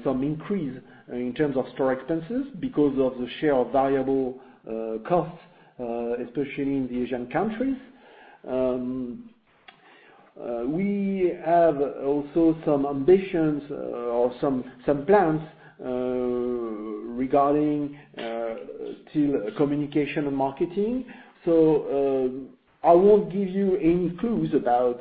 some increase in terms of store expenses because of the share of variable costs, especially in the Asian countries. We have also some ambitions or some plans regarding communication and marketing. I won't give you any clues about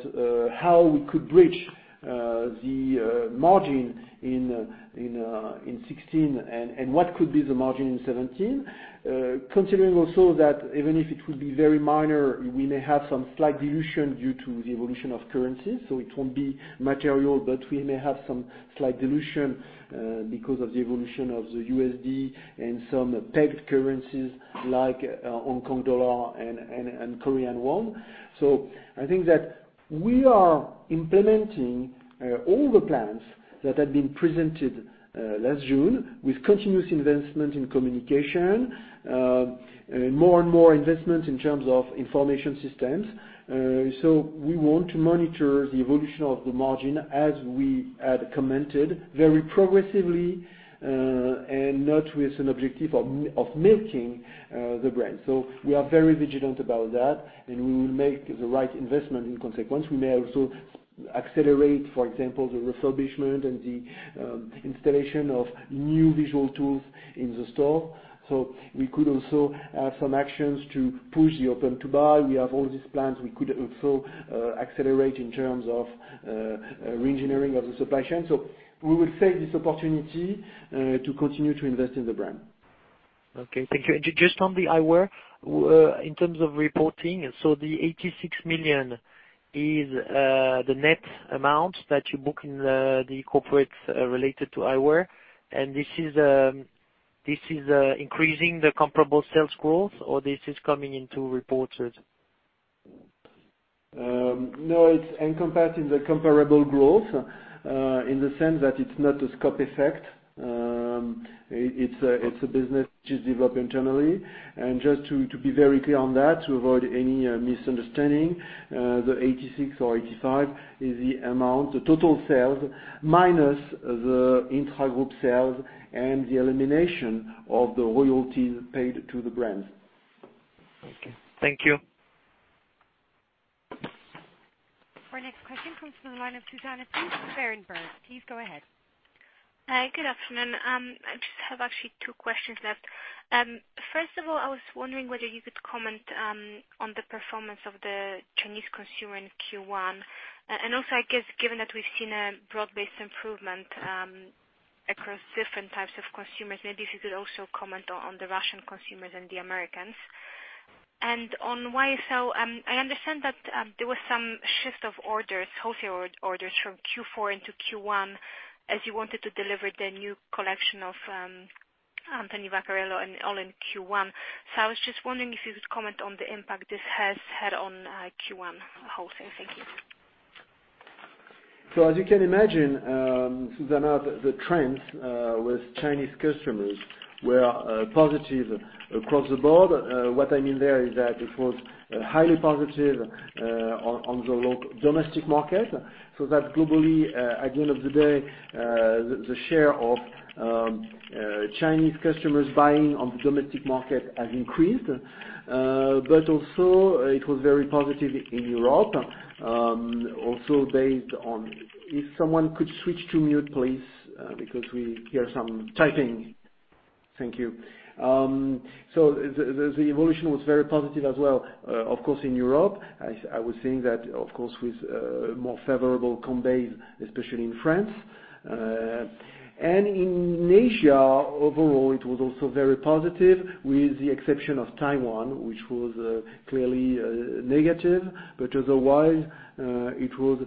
how we could bridge the margin in 2016 and what could be the margin in 2017. Considering also that even if it will be very minor, we may have some slight dilution due to the evolution of currencies, so it won't be material. We may have some slight dilution because of the evolution of the USD and some pegged currencies like Hong Kong dollar and Korean won. I think that we are implementing all the plans that had been presented last June with continuous investment in communication, more and more investment in terms of information systems. We want to monitor the evolution of the margin as we had commented, very progressively, and not with an objective of milking the brand. We are very vigilant about that, and we will make the right investment in consequence. We may also accelerate, for example, the refurbishment and the installation of new visual tools in the store. We could also have some actions to push the open to buy. We have all these plans. We could also accelerate in terms of reengineering of the supply chain. We will take this opportunity to continue to invest in the brand. Okay. Thank you. Just on the eyewear, in terms of reporting, the 86 million is the net amount that you book in the corporates related to eyewear. This is increasing the comparable sales growth, or this is coming into reported? No, it's encompassed in the comparable growth, in the sense that it's not a scope effect. It's a business which is developed internally. Just to be very clear on that, to avoid any misunderstanding, the 86 or 85 is the amount, the total sales minus the intragroup sales and the elimination of the royalties paid to the brands. Okay. Thank you. Our next question comes from the line of Zuzanna from Berenberg. Please go ahead. Hi, good afternoon. I just have actually two questions left. First of all, I was wondering whether you could comment on the performance of the Chinese consumer in Q1. I guess, given that we've seen a broad-based improvement across different types of consumers, maybe if you could also comment on the Russian consumers and the Americans. On YSL, I understand that there was some shift of orders, wholesale orders from Q4 into Q1 as you wanted to deliver the new collection of Anthony Vaccarello and all in Q1. I was just wondering if you could comment on the impact this has had on Q1 wholesale. Thank you. As you can imagine, Zuzanna, the trends with Chinese customers were positive across the board. What I mean there is that it was highly positive on the local domestic market, so that globally, at the end of the day, the share of Chinese customers buying on the domestic market has increased. It was very positive in Europe, also based on If someone could switch to mute, please, because we hear some typing. Thank you. The evolution was very positive as well, of course, in Europe. I was saying that, of course, with more favorable compares, especially in France. In Asia overall, it was also very positive, with the exception of Taiwan, which was clearly negative. Otherwise, it was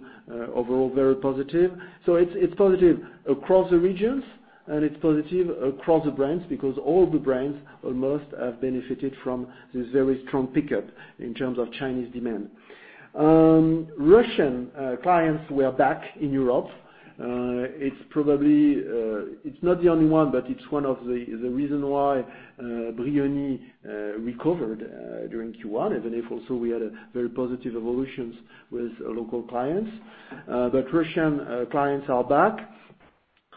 overall very positive. It's positive across the regions and it's positive across the brands because all the brands almost have benefited from this very strong pickup in terms of Chinese demand. Russian clients were back in Europe. It's not the only one, but it's one of the reasons why Brioni recovered during Q1, even if also we had very positive evolutions with local clients. Russian clients are back.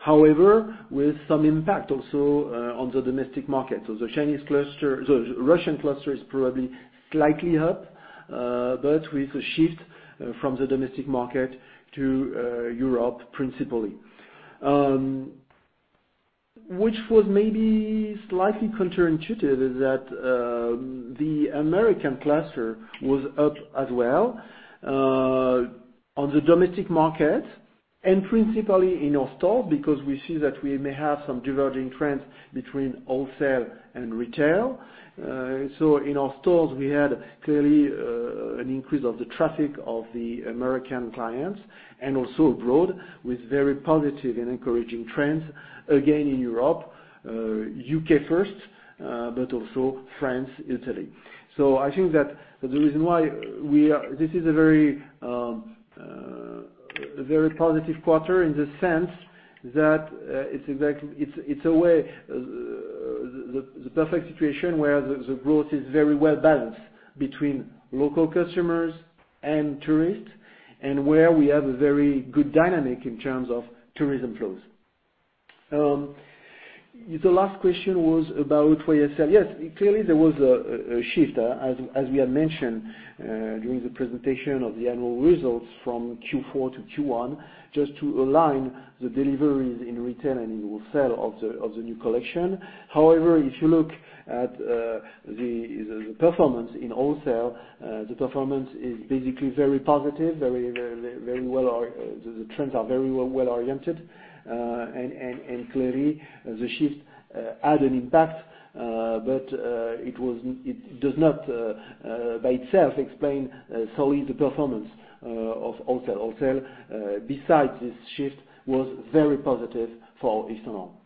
However, with some impact also on the domestic market. The Russian cluster is probably slightly up, but with a shift from the domestic market to Europe, principally. Which was maybe slightly counterintuitive, is that the American cluster was up as well on the domestic market, and principally in our stores, because we see that we may have some diverging trends between wholesale and retail. In our stores, we had clearly an increase of the traffic of the American clients and also abroad, with very positive and encouraging trends again in Europe, U.K. first but also France, Italy. I think that the reason why this is a very positive quarter in the sense that it's a way, the perfect situation where the growth is very well-balanced between local customers and tourists, and where we have a very good dynamic in terms of tourism flows. The last question was about YSL. Yes, clearly there was a shift, as we had mentioned during the presentation of the annual results from Q4 to Q1, just to align the deliveries in retail and in wholesale of the new collection. However, if you look at the performance in wholesale, the performance is basically very positive. The trends are very well-oriented. Clearly the shift had an impact. It does not by itself explain solely the performance of wholesale. Wholesale, besides this shift, was very positive for Yves Saint Laurent.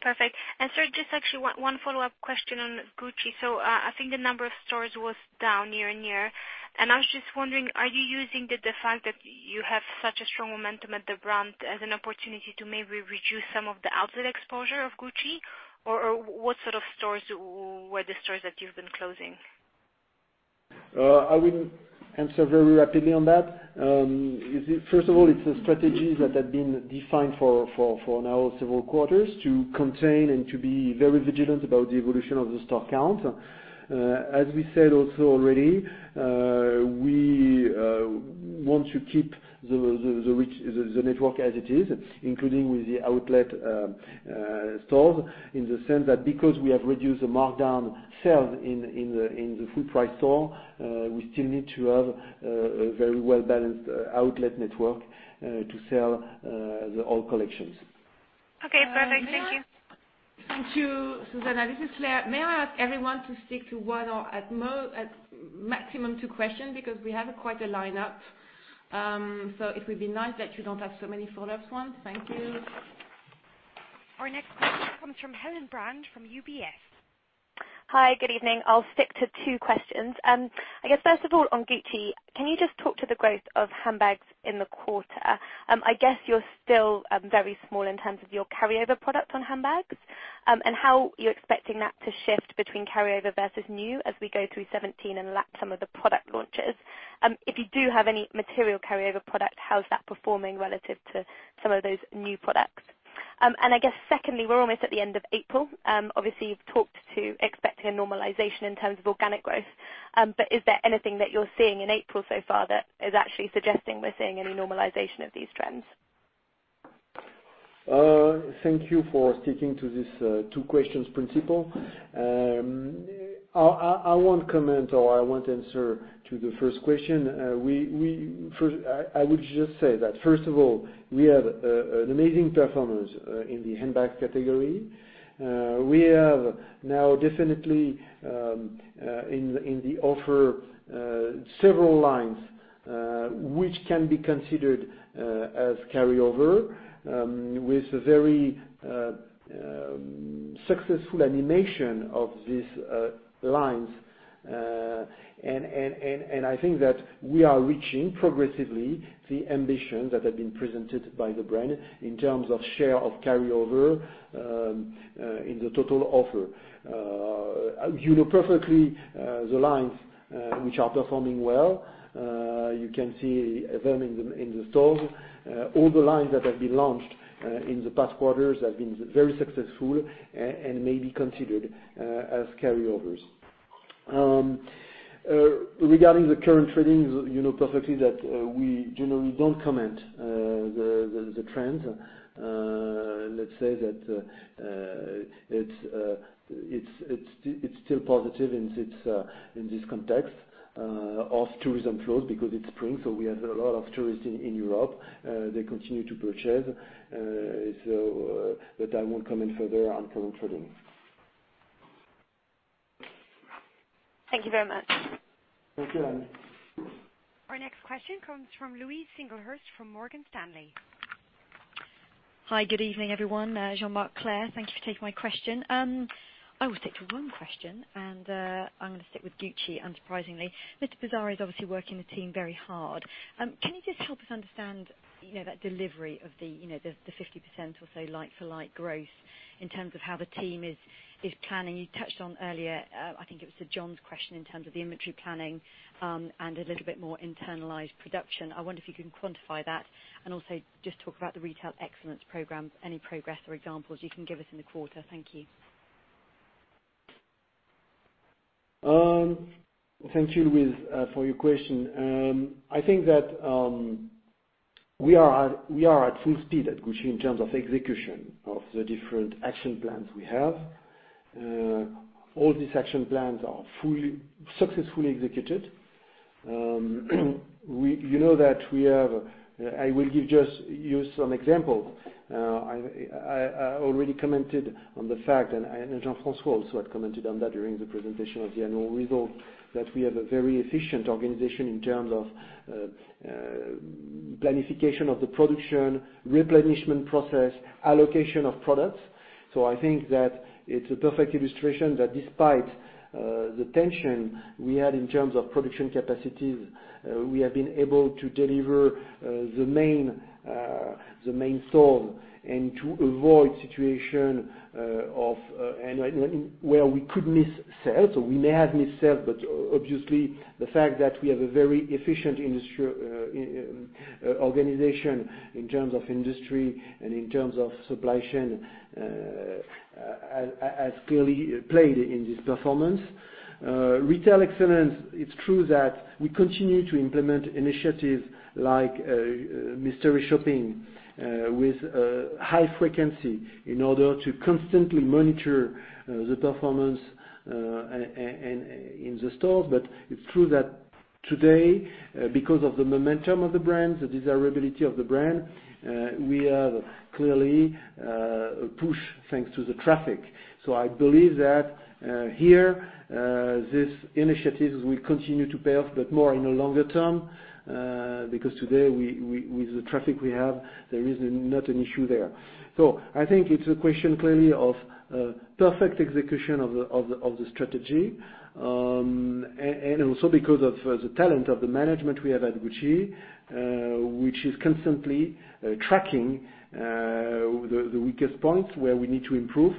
Perfect. Sir, just actually one follow-up question on Gucci. I think the number of stores was down year-on-year, and I was just wondering, are you using the fact that you have such a strong momentum at the brand as an opportunity to maybe reduce some of the outlet exposure of Gucci? Or what sort of stores were the stores that you've been closing? I will answer very rapidly on that. First of all, it's a strategy that had been defined for now several quarters to contain and to be very vigilant about the evolution of the store count. As we said also already, we want to keep the network as it is, including with the outlet stores, in the sense that because we have reduced the markdown sell in the full-price store, we still need to have a very well-balanced outlet network to sell all collections. Perfect. Thank you. Thank you, Zuzanna. This is Claire. May I ask everyone to stick to one or at maximum two questions because we have quite a lineup. It would be nice that you don't have so many follow-ups ones. Thank you. Our next question comes from Helen Brand from UBS. Hi, good evening. I'll stick to two questions. I guess first of all, on Gucci, can you just talk to the growth of handbags in the quarter? I guess you're still very small in terms of your carryover product on handbags. How you're expecting that to shift between carryover versus new as we go through 2017 and lap some of the product launches? If you do have any material carryover product, how's that performing relative to some of those new products? I guess secondly, we're almost at the end of April. Obviously, you've talked to expecting a normalization in terms of organic growth. Is there anything that you're seeing in April so far that is actually suggesting we're seeing any normalization of these trends? Thank you for sticking to this two questions principle. I won't comment or I won't answer to the first question. I would just say that first of all, we have an amazing performance in the handbag category. We have now definitely, in the offer, several lines which can be considered as carryover, with a very successful animation of these lines. I think that we are reaching, progressively, the ambition that had been presented by the brand in terms of share of carryover in the total offer. You know perfectly the lines which are performing well. You can see them in the stores. All the lines that have been launched in the past quarters have been very successful and may be considered as carryovers. Regarding the current tradings, you know perfectly that we generally don't comment the trends. Let's say that it's still positive in this context of tourism flows because it's spring, so we have a lot of tourists in Europe. They continue to purchase. I won't comment further on current tradings. Thank you very much. Thank you, Annie. Our next question comes from Louise Singlehurst from Morgan Stanley. Hi, good evening, everyone. Jean-Marc Duplaix, thank you for taking my question. I will stick to one question, and I am going to stick with Gucci, unsurprisingly. Mr. Bizzarri is obviously working the team very hard. Can you just help us understand that delivery of the 50% or so like-for-like growth in terms of how the team is planning? You touched on earlier, I think it was to John's question, in terms of the inventory planning, and a little bit more internalized production. I wonder if you can quantify that and also just talk about the Retail Excellence Programs, any progress or examples you can give us in the quarter. Thank you. Thank you, Louise, for your question. I think that we are at full speed at Gucci in terms of execution of the different action plans we have. All these action plans are successfully executed. I will give just you some example. I already commented on the fact, and Jean-François also had commented on that during the presentation of the annual results, that we have a very efficient organization in terms of planification of the production, replenishment process, allocation of products. I think that it is a perfect illustration that despite the tension we had in terms of production capacities, we have been able to deliver the main store and to avoid situation where we could miss sales or we may have missed sales, but obviously the fact that we have a very efficient organization in terms of inventory and in terms of supply chain, has clearly played in this performance. Retail Excellence, it is true that we continue to implement initiatives like mystery shopping with a high frequency in order to constantly monitor the performance in the stores. It is true that today, because of the momentum of the brand, the desirability of the brand, we have clearly pushed thanks to the traffic. I believe that here, these initiatives will continue to pay off, but more in the longer term, because today with the traffic we have, there is not an issue there. I think it is a question, clearly, of perfect execution of the strategy, and also because of the talent of the management we have at Gucci, which is constantly tracking the weakest points where we need to improve.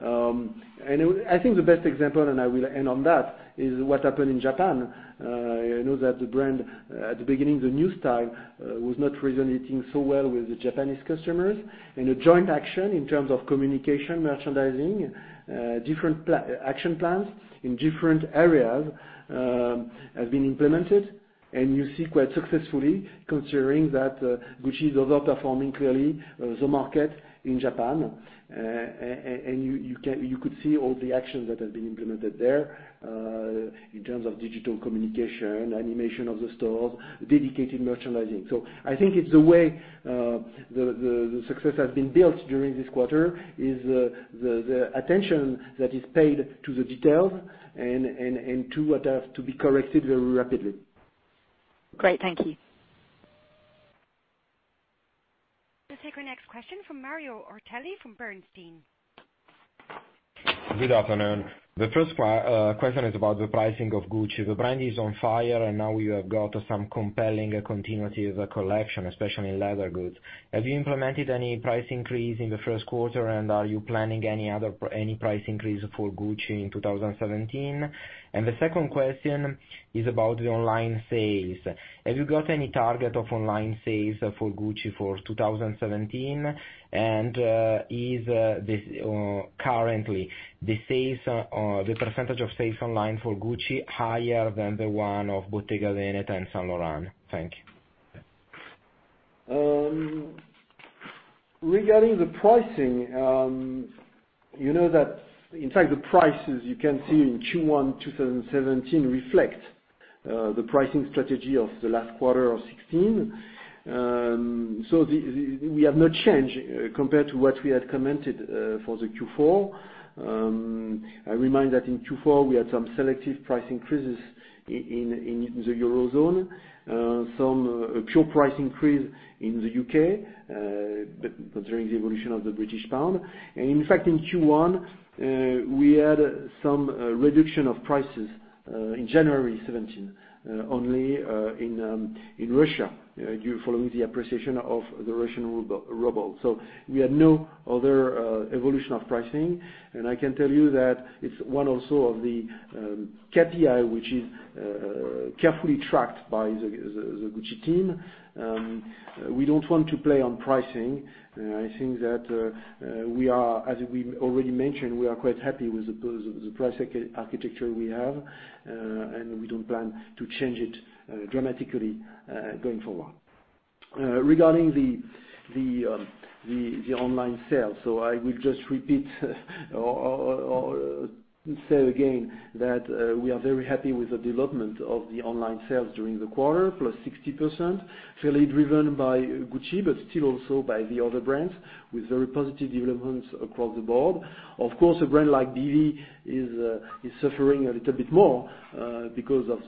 I think the best example, and I will end on that, is what happened in Japan. I know that the brand, at the beginning, the new style was not resonating so well with the Japanese customers. In a joint action in terms of communication, merchandising, different action plans in different areas have been implemented. You see quite successfully, considering that Gucci is overperforming, clearly, the market in Japan. You could see all the actions that have been implemented there, in terms of digital communication, animation of the stores, dedicated merchandising. I think it is the way the success has been built during this quarter is the attention that is paid to the details and to what has to be corrected very rapidly. Great. Thank you. We'll take our next question from Mario Ortelli from Bernstein. Good afternoon. The first question is about the pricing of Gucci. The brand is on fire, and now you have got some compelling continuity of the collection, especially in leather goods. Have you implemented any price increase in the first quarter, and are you planning any price increase for Gucci in 2017? The second question is about the online sales. Is this currently the % of sales online for Gucci higher than the one of Bottega Veneta and Saint Laurent? Thank you. Regarding the pricing, you know that in fact, the prices you can see in Q1 2017 reflect the pricing strategy of the last quarter of 2016. We have not changed compared to what we had commented for the Q4. I remind that in Q4, we had some selective price increases in the Eurozone, some pure price increase in the U.K., considering the evolution of the British pound. In fact, in Q1, we had some reduction of prices in January 2017, only in Russia following the appreciation of the Russian ruble. We had no other evolution of pricing. I can tell you that it's one also of the KPI which is carefully tracked by the Gucci team. We don't want to play on pricing. I think that, as we already mentioned, we are quite happy with the price architecture we have, and we don't plan to change it dramatically going forward. Regarding the online sale, I will just repeat or say again that we are very happy with the development of the online sales during the quarter, +60%, fairly driven by Gucci but still also by the other brands, with very positive developments across the board. Of course, a brand like BV is suffering a little bit more, because of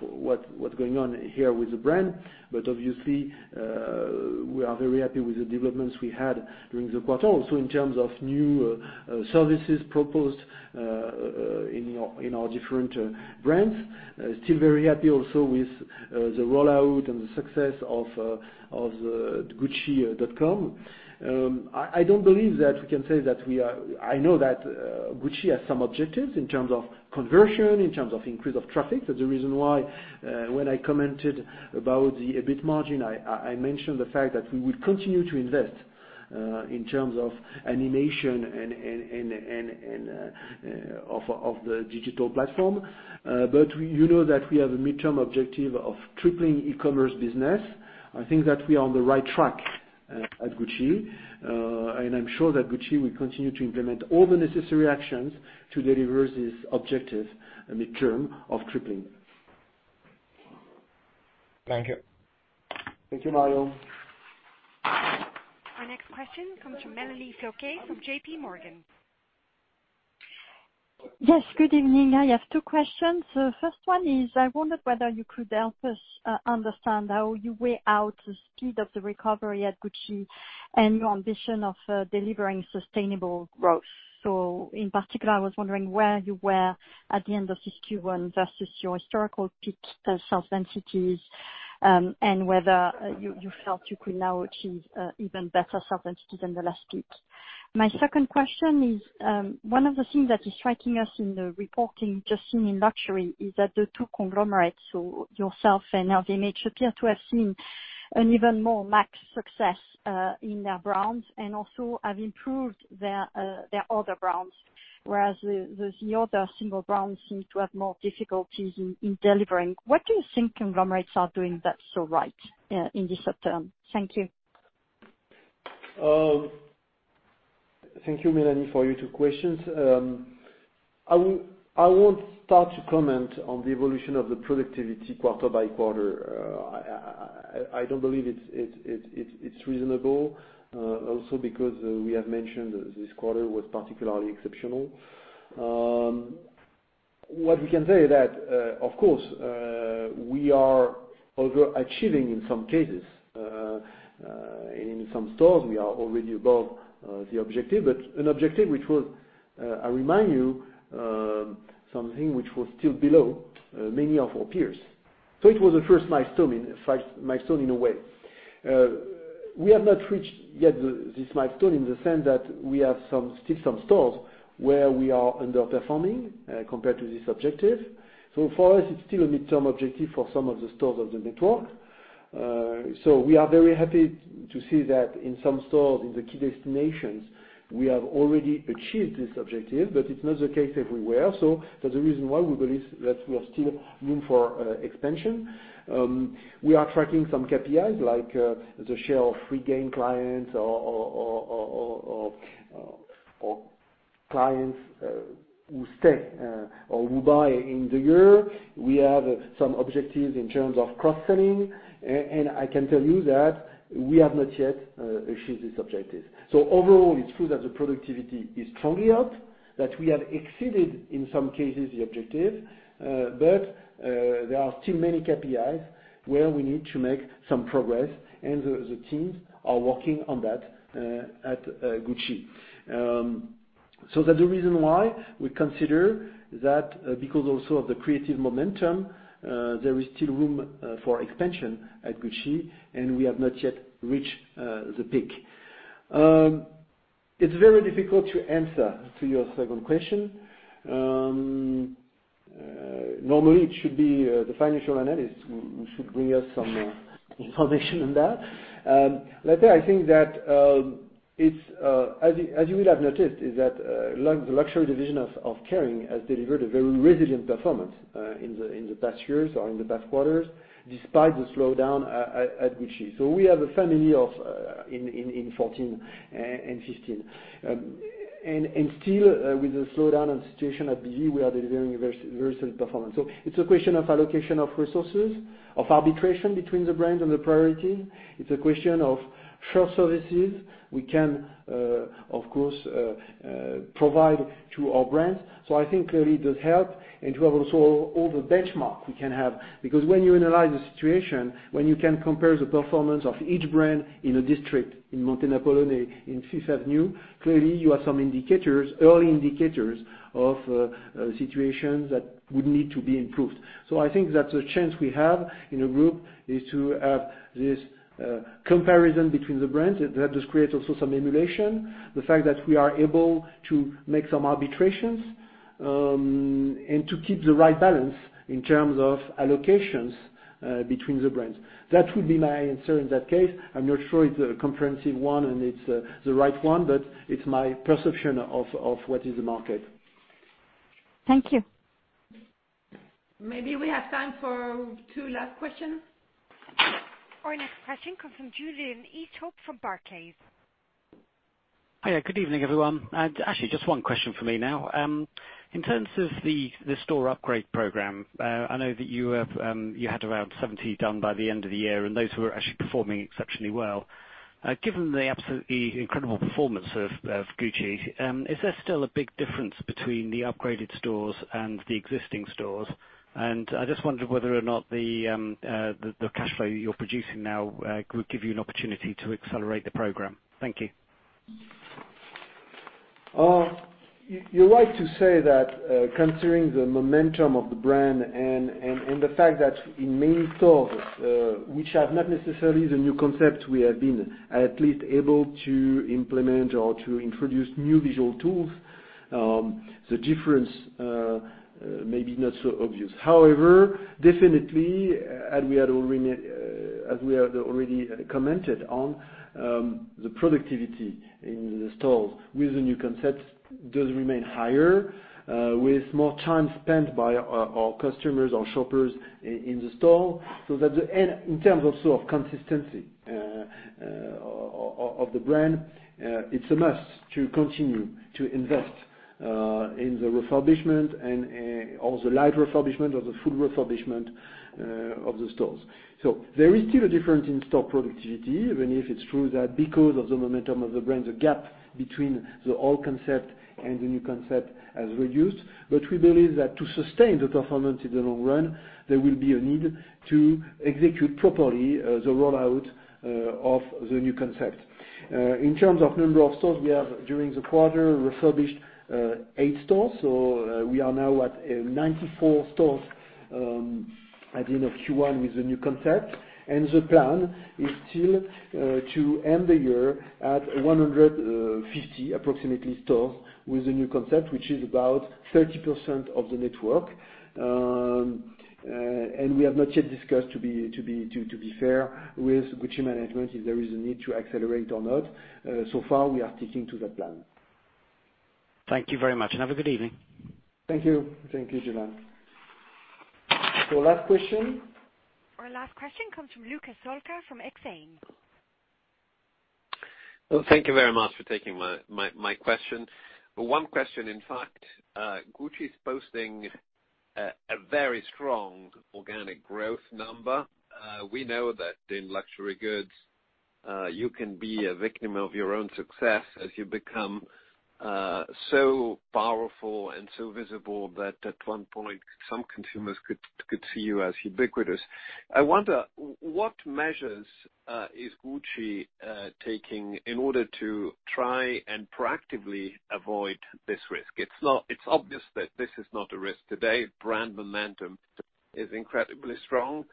what's going on here with the brand. Obviously, we are very happy with the developments we had during the quarter also in terms of new services proposed in our different brands. Still very happy also with the rollout and the success of gucci.com. I don't believe that we can say that we are I know that Gucci has some objectives in terms of conversion, in terms of increase of traffic. That's the reason why, when I commented about the EBIT margin, I mentioned the fact that we would continue to invest in terms of animation of the digital platform. You know that we have a midterm objective of tripling e-commerce business. I think that we are on the right track at Gucci, and I'm sure that Gucci will continue to implement all the necessary actions to deliver this objective, a midterm of tripling. Thank you. Thank you, Mario. Our next question comes from Mélanie Flouquet of JP Morgan. Yes, good evening. I have two questions. First one is, I wondered whether you could help us understand how you weigh out the speed of the recovery at Gucci and your ambition of delivering sustainable growth. In particular, I was wondering where you were at the end of this Q1 versus your historical peak sales densities, and whether you felt you could now achieve even better sales densities than the last peak. My second question is, one of the things that is striking us in the reporting just seen in luxury is that the two conglomerates, yourself and LVMH, appear to have seen an even more max success in their brands and also have improved their other brands, whereas the other single brands seem to have more difficulties in delivering. What do you think conglomerates are doing that's so right in this term? Thank you. Thank you, Mélanie, for your two questions. I won't start to comment on the evolution of the productivity quarter by quarter. I don't believe it's reasonable. Because we have mentioned this quarter was particularly exceptional. What we can say is that, of course, we are overachieving in some cases. In some stores, we are already above the objective, but an objective which was, I remind you, something which was still below many of our peers. It was a first milestone in a way. We have not reached yet this milestone in the sense that we have still some stores where we are underperforming, compared to this objective. For us, it's still a midterm objective for some of the stores of the network. We are very happy to see that in some stores in the key destinations, we have already achieved this objective, but it's not the case everywhere. That's the reason why we believe that we are still room for expansion. We are tracking some KPIs like the share of regained clients or clients who stay or who buy in the year. We have some objectives in terms of cross-selling, I can tell you that we have not yet achieved this objective. Overall, it's true that the productivity is strongly up, that we have exceeded, in some cases, the objective. There are still many KPIs where we need to make some progress, and the teams are working on that at Gucci. That's the reason why we consider that, because also of the creative momentum, there is still room for expansion at Gucci, and we have not yet reached the peak. It's very difficult to answer to your second question. Normally, it should be the financial analysts who should bring us some information on that. Let's say I think that as you will have noticed, the luxury division of Kering has delivered a very resilient performance in the past years or in the past quarters despite the slowdown at Gucci. We have a fall in 2014 and 2015. Still with the slowdown and situation at Gucci, we are delivering a very solid performance. It's a question of allocation of resources, of arbitration between the brands and the priority. It's a question of shared services we can, of course, provide to our brands. I think clearly it does help, and to have also all the benchmark we can have. When you analyze the situation, when you can compare the performance of each brand in a district, in Montenapoleone, in Fifth Avenue, clearly you have some early indicators of situations that would need to be improved. I think that's a chance we have in a group, is to have this comparison between the brands. That does create also some emulation. The fact that we are able to make some arbitrations, and to keep the right balance in terms of allocations between the brands. That would be my answer in that case. I'm not sure it's a comprehensive one and it's the right one, but it's my perception of what is the market. Thank you. Maybe we have time for two last questions. Our next question comes from Julian Easthope from Barclays. Hi. Good evening, everyone. Actually, just one question for me now. In terms of the store upgrade program, I know that you had around 70 done by the end of the year, and those who are actually performing exceptionally well. Given the absolutely incredible performance of Gucci, is there still a big difference between the upgraded stores and the existing stores? I just wondered whether or not the cash flow you're producing now, could give you an opportunity to accelerate the program. Thank you. You're right to say that, considering the momentum of the brand and the fact that in many stores, which are not necessarily the new concept we have been at least able to implement or to introduce new visual tools, the difference may be not so obvious. However, definitely, as we have already commented on, the productivity in the stores with the new concept does remain higher, with more time spent by our customers or shoppers in the store. In terms of consistency of the brand, it's a must to continue to invest in the refurbishment or the light refurbishment or the full refurbishment of the stores. There is still a difference in store productivity, even if it's true that because of the momentum of the brand, the gap between the old concept and the new concept has reduced. We believe that to sustain the performance in the long run, there will be a need to execute properly the rollout of the new concept. In terms of number of stores, we have, during the quarter, refurbished eight stores. We are now at 94 stores at the end of Q1 with the new concept. The plan is still to end the year at 150 approximately stores with the new concept, which is about 30% of the network. We have not yet discussed, to be fair, with Gucci management, if there is a need to accelerate or not. So far, we are sticking to that plan. Thank you very much, have a good evening. Thank you. Thank you, Julian. Last question. Our last question comes from Luca Solca from Exane. Thank you very much for taking my question. One question, in fact. Gucci is posting a very strong organic growth number. We know that in luxury goods, you can be a victim of your own success as you become so powerful and so visible that at one point, some consumers could see you as ubiquitous. I wonder, what measures is Gucci taking in order to try and proactively avoid this risk? It's obvious that this is not a risk today. Brand momentum is incredibly strong.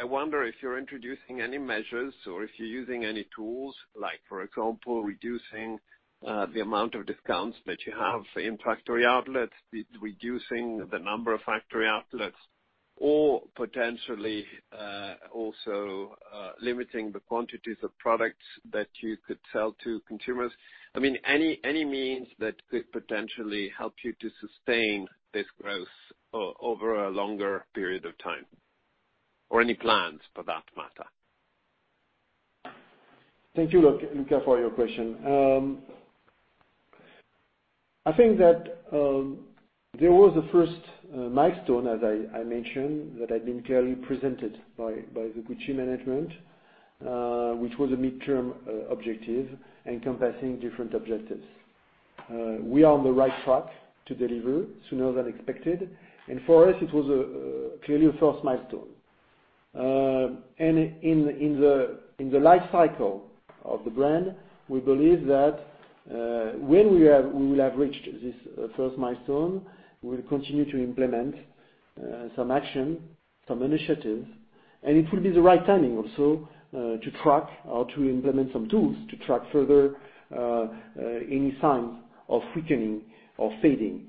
I wonder if you're introducing any measures or if you're using any tools, like for example, reducing the amount of discounts that you have in factory outlets, reducing the number of factory outlets or potentially, also limiting the quantities of products that you could sell to consumers. Any means that could potentially help you to sustain this growth over a longer period of time, or any plans for that matter. Thank you, Luca, for your question. I think that there was a first milestone, as I mentioned, that had been clearly presented by the Gucci management, which was a midterm objective encompassing different objectives. We are on the right track to deliver sooner than expected, for us, it was clearly a first milestone. In the life cycle of the brand, we believe that when we will have reached this first milestone, we will continue to implement some action, some initiatives, and it will be the right timing also to track or to implement some tools to track further any signs of weakening or fading.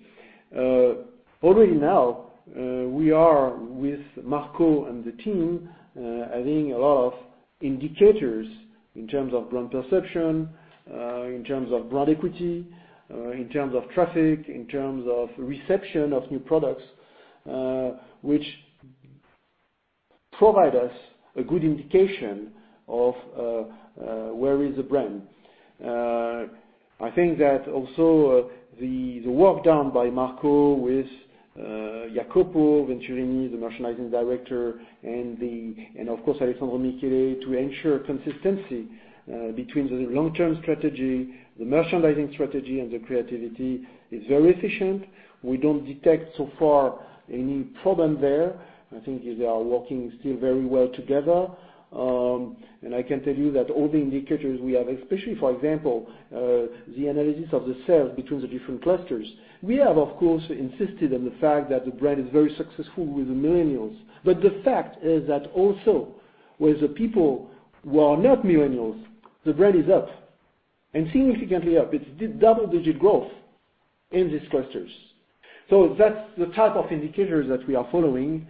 Already now, we are with Marco and the team, having a lot of indicators in terms of brand perception, in terms of brand equity, in terms of traffic, in terms of reception of new products, which provide us a good indication of where is the brand. I think that also the work done by Marco with Jacopo Venturini, the merchandising director, and of course, Alessandro Michele, to ensure consistency between the long-term strategy, the merchandising strategy, and the creativity is very efficient. We don't detect so far any problem there. I think they are working still very well together. I can tell you that all the indicators we have, especially, for example, the analysis of the sales between the different clusters. We have, of course, insisted on the fact that the brand is very successful with the millennials. The fact is that also with the people who are not millennials, the brand is up, and significantly up. It's double-digit growth in these clusters. That's the type of indicators that we are following.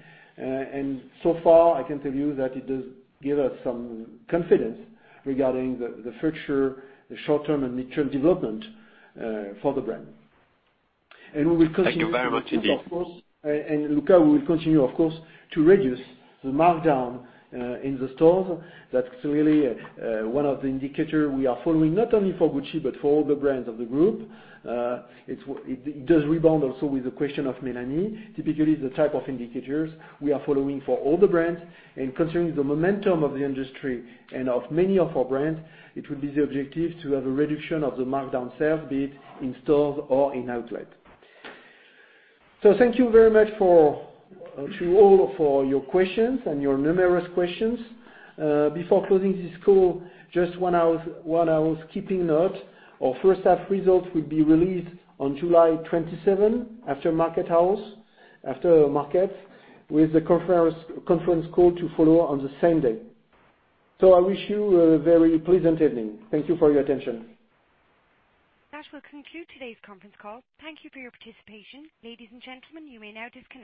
So far, I can tell you that it does give us some confidence regarding the future, the short-term, and mid-term development for the brand. Thank you very much indeed Luca, we will continue, of course, to reduce the markdown in the stores. That's really one of the indicators we are following, not only for Gucci but for all the brands of the group. It does rebound also with the question of Mélanie. Typically, the type of indicators we are following for all the brands. Considering the momentum of the industry and of many of our brands, it will be the objective to have a reduction of the markdown sales, be it in stores or in outlet. Thank you very much to all for your questions and your numerous questions. Before closing this call, just one housekeeping note. Our first half results will be released on July 27 after market close, with the conference call to follow on the same day. I wish you a very pleasant evening. Thank you for your attention. That will conclude today's conference call. Thank you for your participation. Ladies and gentlemen, you may now disconnect.